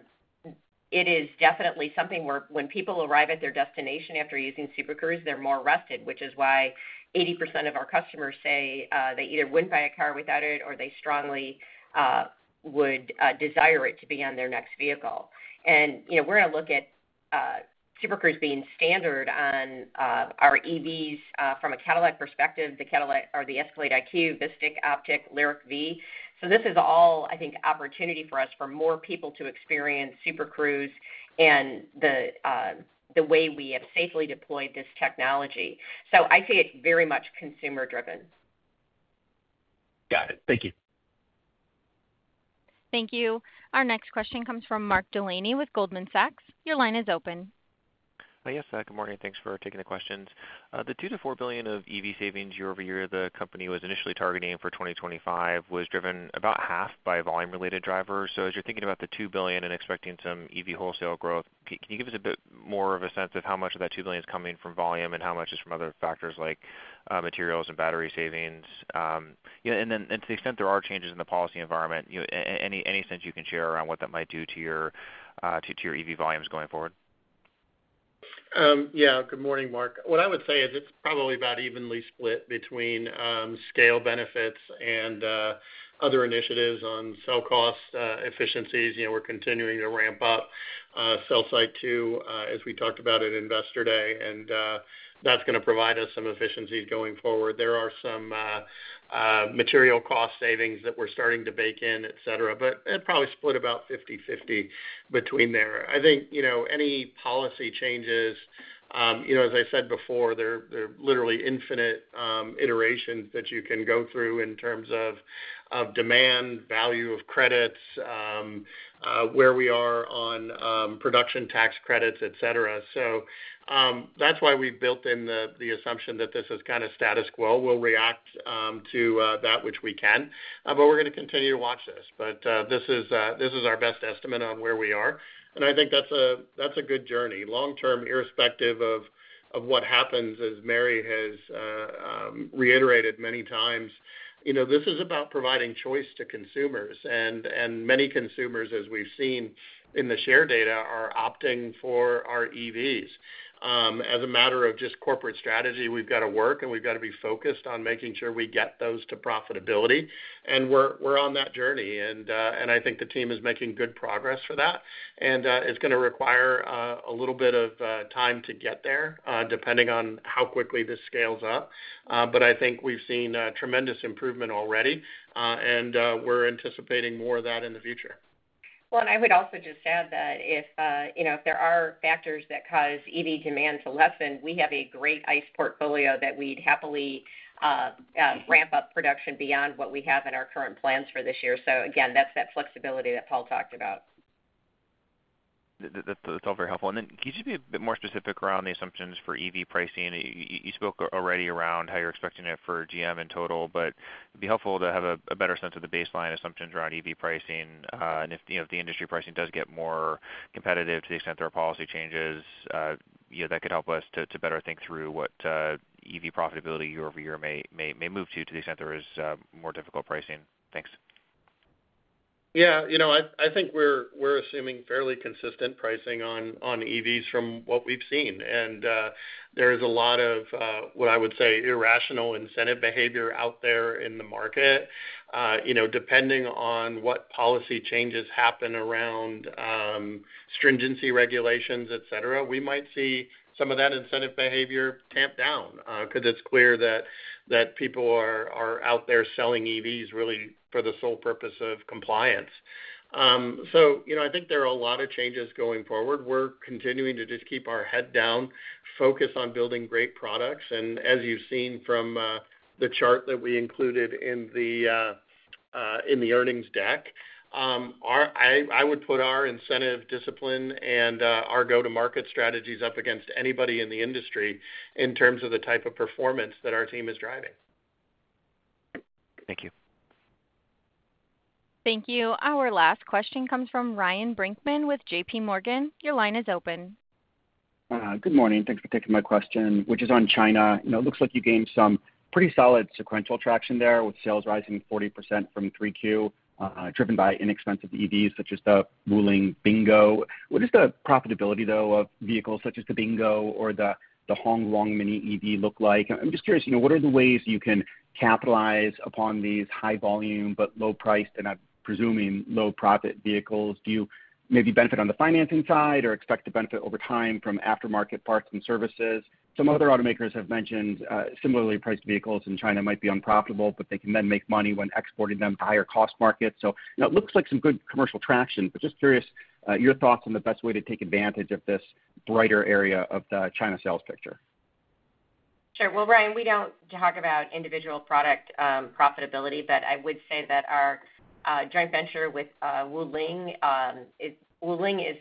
is definitely something where when people arrive at their destination after using Super Cruise, they're more rested, which is why 80% of our customers say they either wouldn't buy a car without it or they strongly would desire it to be on their next vehicle. And we're going to look at Super Cruise being standard on our EVs from a Cadillac perspective, the Cadillac or the Escalade IQ, VISTIQ, OPTIQ, LYRIQ. So this is all, I think, opportunity for us for more people to experience Super Cruise and the way we have safely deployed this technology. So I see it very much consumer-driven. Got it. Thank you. Thank you. Our next question comes from Mark Delaney with Goldman Sachs. Your line is open. Hi, yes. Good morning. Thanks for taking the questions. The $2-$4 billion of EV savings year over year the company was initially targeting for 2025 was driven about half by volume-related drivers. So as you're thinking about the $2 billion and expecting some EV wholesale growth, can you give us a bit more of a sense of how much of that $2 billion is coming from volume and how much is from other factors like materials and battery savings? And then to the extent there are changes in the policy environment, any sense you can share around what that might do to your EV volumes going forward? Yeah. Good morning, Mark. What I would say is it's probably about evenly split between scale benefits and other initiatives on cell cost efficiencies. We're continuing to ramp up Cell Site 2, as we talked about at investor day, and that's going to provide us some efficiencies going forward. There are some material cost savings that we're starting to bake in, etc., but it probably split about 50/50 between there. I think any policy changes, as I said before, they're literally infinite iterations that you can go through in terms of demand, value of credits, where we are on production tax credits, etc., so that's why we've built in the assumption that this is kind of status quo. We'll react to that which we can, but we're going to continue to watch this, but this is our best estimate on where we are, and I think that's a good journey. Long term, irrespective of what happens, as Mary has reiterated many times, this is about providing choice to consumers, and many consumers, as we've seen in the share data, are opting for our EVs. As a matter of just corporate strategy, we've got to work, and we've got to be focused on making sure we get those to profitability. And we're on that journey. And I think the team is making good progress for that. And it's going to require a little bit of time to get there, depending on how quickly this scales up. But I think we've seen tremendous improvement already, and we're anticipating more of that in the future. Well, and I would also just add that if there are factors that cause EV demand to lessen, we have a great ICE portfolio that we'd happily ramp up production beyond what we have in our current plans for this year. So again, that's that flexibility that Paul talked about. That's all very helpful. And then could you be a bit more specific around the assumptions for EV pricing? You spoke already around how you're expecting it for GM in total, but it'd be helpful to have a better sense of the baseline assumptions around EV pricing. And if the industry pricing does get more competitive to the extent there are policy changes, that could help us to better think through what EV profitability year over year may move to to the extent there is more difficult pricing. Thanks. Yeah. I think we're assuming fairly consistent pricing on EVs from what we've seen. And there is a lot of what I would say irrational incentive behavior out there in the market. Depending on what policy changes happen around stringency regulations, etc., we might see some of that incentive behavior tamp down because it's clear that people are out there selling EVs really for the sole purpose of compliance. So I think there are a lot of changes going forward. We're continuing to just keep our head down, focus on building great products. And as you've seen from the chart that we included in the earnings deck, I would put our incentive discipline and our go-to-market strategies up against anybody in the industry in terms of the type of performance that our team is driving. Thank you. Thank you. Our last question comes from Ryan Brinkman with JPMorgan. Your line is open. Good morning. Thanks for taking my question, which is on China. It looks like you gained some pretty solid sequential traction there with sales rising 40% from 3Q, driven by inexpensive EVs such as the Wuling Bingo. What is the profitability, though, of vehicles such as the Bingo or the Hong Guang Mini EV look like? I'm just curious, what are the ways you can capitalize upon these high volume but low-priced and, I'm presuming, low-profit vehicles? Do you maybe benefit on the financing side or expect to benefit over time from aftermarket parts and services? Some other automakers have mentioned similarly priced vehicles in China might be unprofitable, but they can then make money when exporting them to higher cost markets. So it looks like some good commercial traction, but just curious your thoughts on the best way to take advantage of this brighter area of the China sales picture. Sure. Well, Ryan, we don't talk about individual product profitability, but I would say that our joint venture with Wuling is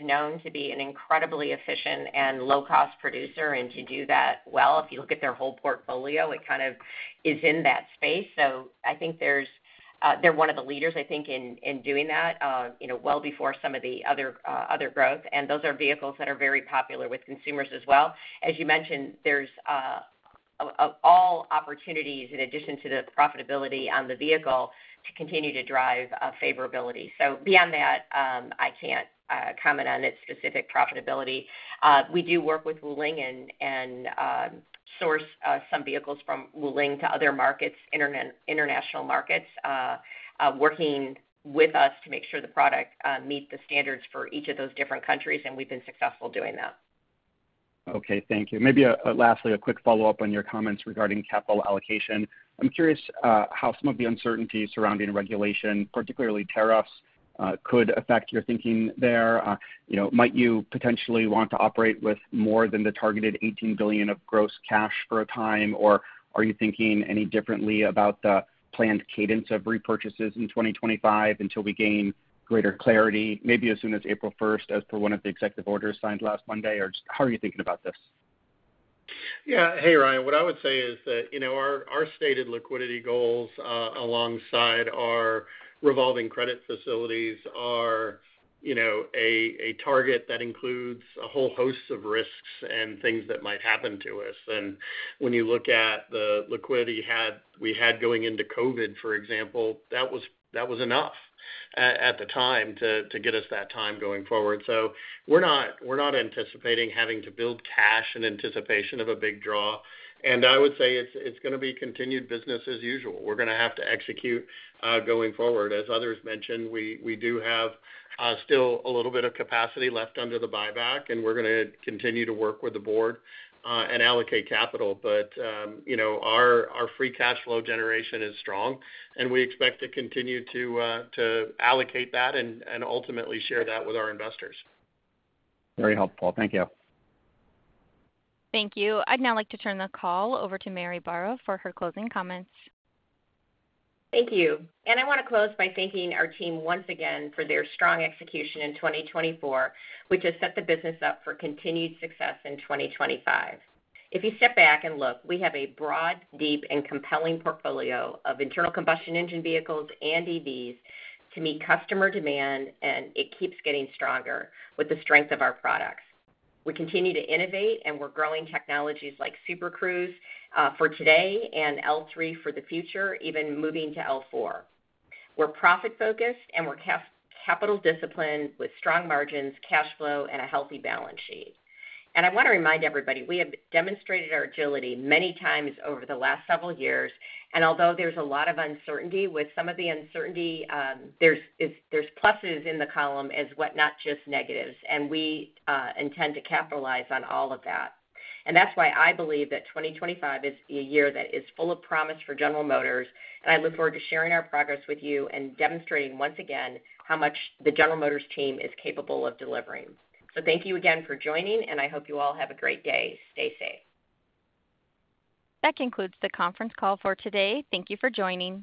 known to be an incredibly efficient and low-cost producer. And to do that well, if you look at their whole portfolio, it kind of is in that space. So I think they're one of the leaders, I think, in doing that well before some of the other growth. And those are vehicles that are very popular with consumers as well. As you mentioned, there's all opportunities in addition to the profitability on the vehicle to continue to drive favorability. So beyond that, I can't comment on its specific profitability. We do work with Wuling and source some vehicles from Wuling to other markets, international markets, working with us to make sure the product meets the standards for each of those different countries. And we've been successful doing that. Okay. Thank you. Maybe lastly, a quick follow-up on your comments regarding capital allocation. I'm curious how some of the uncertainty surrounding regulation, particularly tariffs, could affect your thinking there. Might you potentially want to operate with more than the targeted $18 billion of gross cash for a time, or are you thinking any differently about the planned cadence of repurchases in 2025 until we gain greater clarity, maybe as soon as April 1st as per one of the executive orders signed last Monday? Or how are you thinking about this? Yeah. Hey, Ryan, what I would say is that our stated liquidity goals alongside our revolving credit facilities are a target that includes a whole host of risks and things that might happen to us. And when you look at the liquidity we had going into COVID, for example, that was enough at the time to get us that time going forward. So we're not anticipating having to build cash in anticipation of a big draw. And I would say it's going to be continued business as usual. We're going to have to execute going forward. As others mentioned, we do have still a little bit of capacity left under the buyback, and we're going to continue to work with the board and allocate capital. But our free cash flow generation is strong, and we expect to continue to allocate that and ultimately share that with our investors. Very helpful. Thank you. Thank you. I'd now like to turn the call over to Mary Barra for her closing comments. Thank you. And I want to close by thanking our team once again for their strong execution in 2024, which has set the business up for continued success in 2025. If you step back and look, we have a broad, deep, and compelling portfolio of internal combustion engine vehicles and EVs to meet customer demand, and it keeps getting stronger with the strength of our products. We continue to innovate, and we're growing technologies like Super Cruise for today and L3 for the future, even moving to L4. We're profit-focused, and we're capital-disciplined with strong margins, cash flow, and a healthy balance sheet, and I want to remind everybody we have demonstrated our agility many times over the last several years, and although there's a lot of uncertainty, with some of the uncertainty, there's pluses in the column as whatnot just negatives, and we intend to capitalize on all of that, and that's why I believe that 2025 is a year that is full of promise for General Motors, and I look forward to sharing our progress with you and demonstrating once again how much the General Motors team is capable of delivering, so thank you again for joining, and I hope you all have a great day. Stay safe. That concludes the conference call for today. Thank you for joining.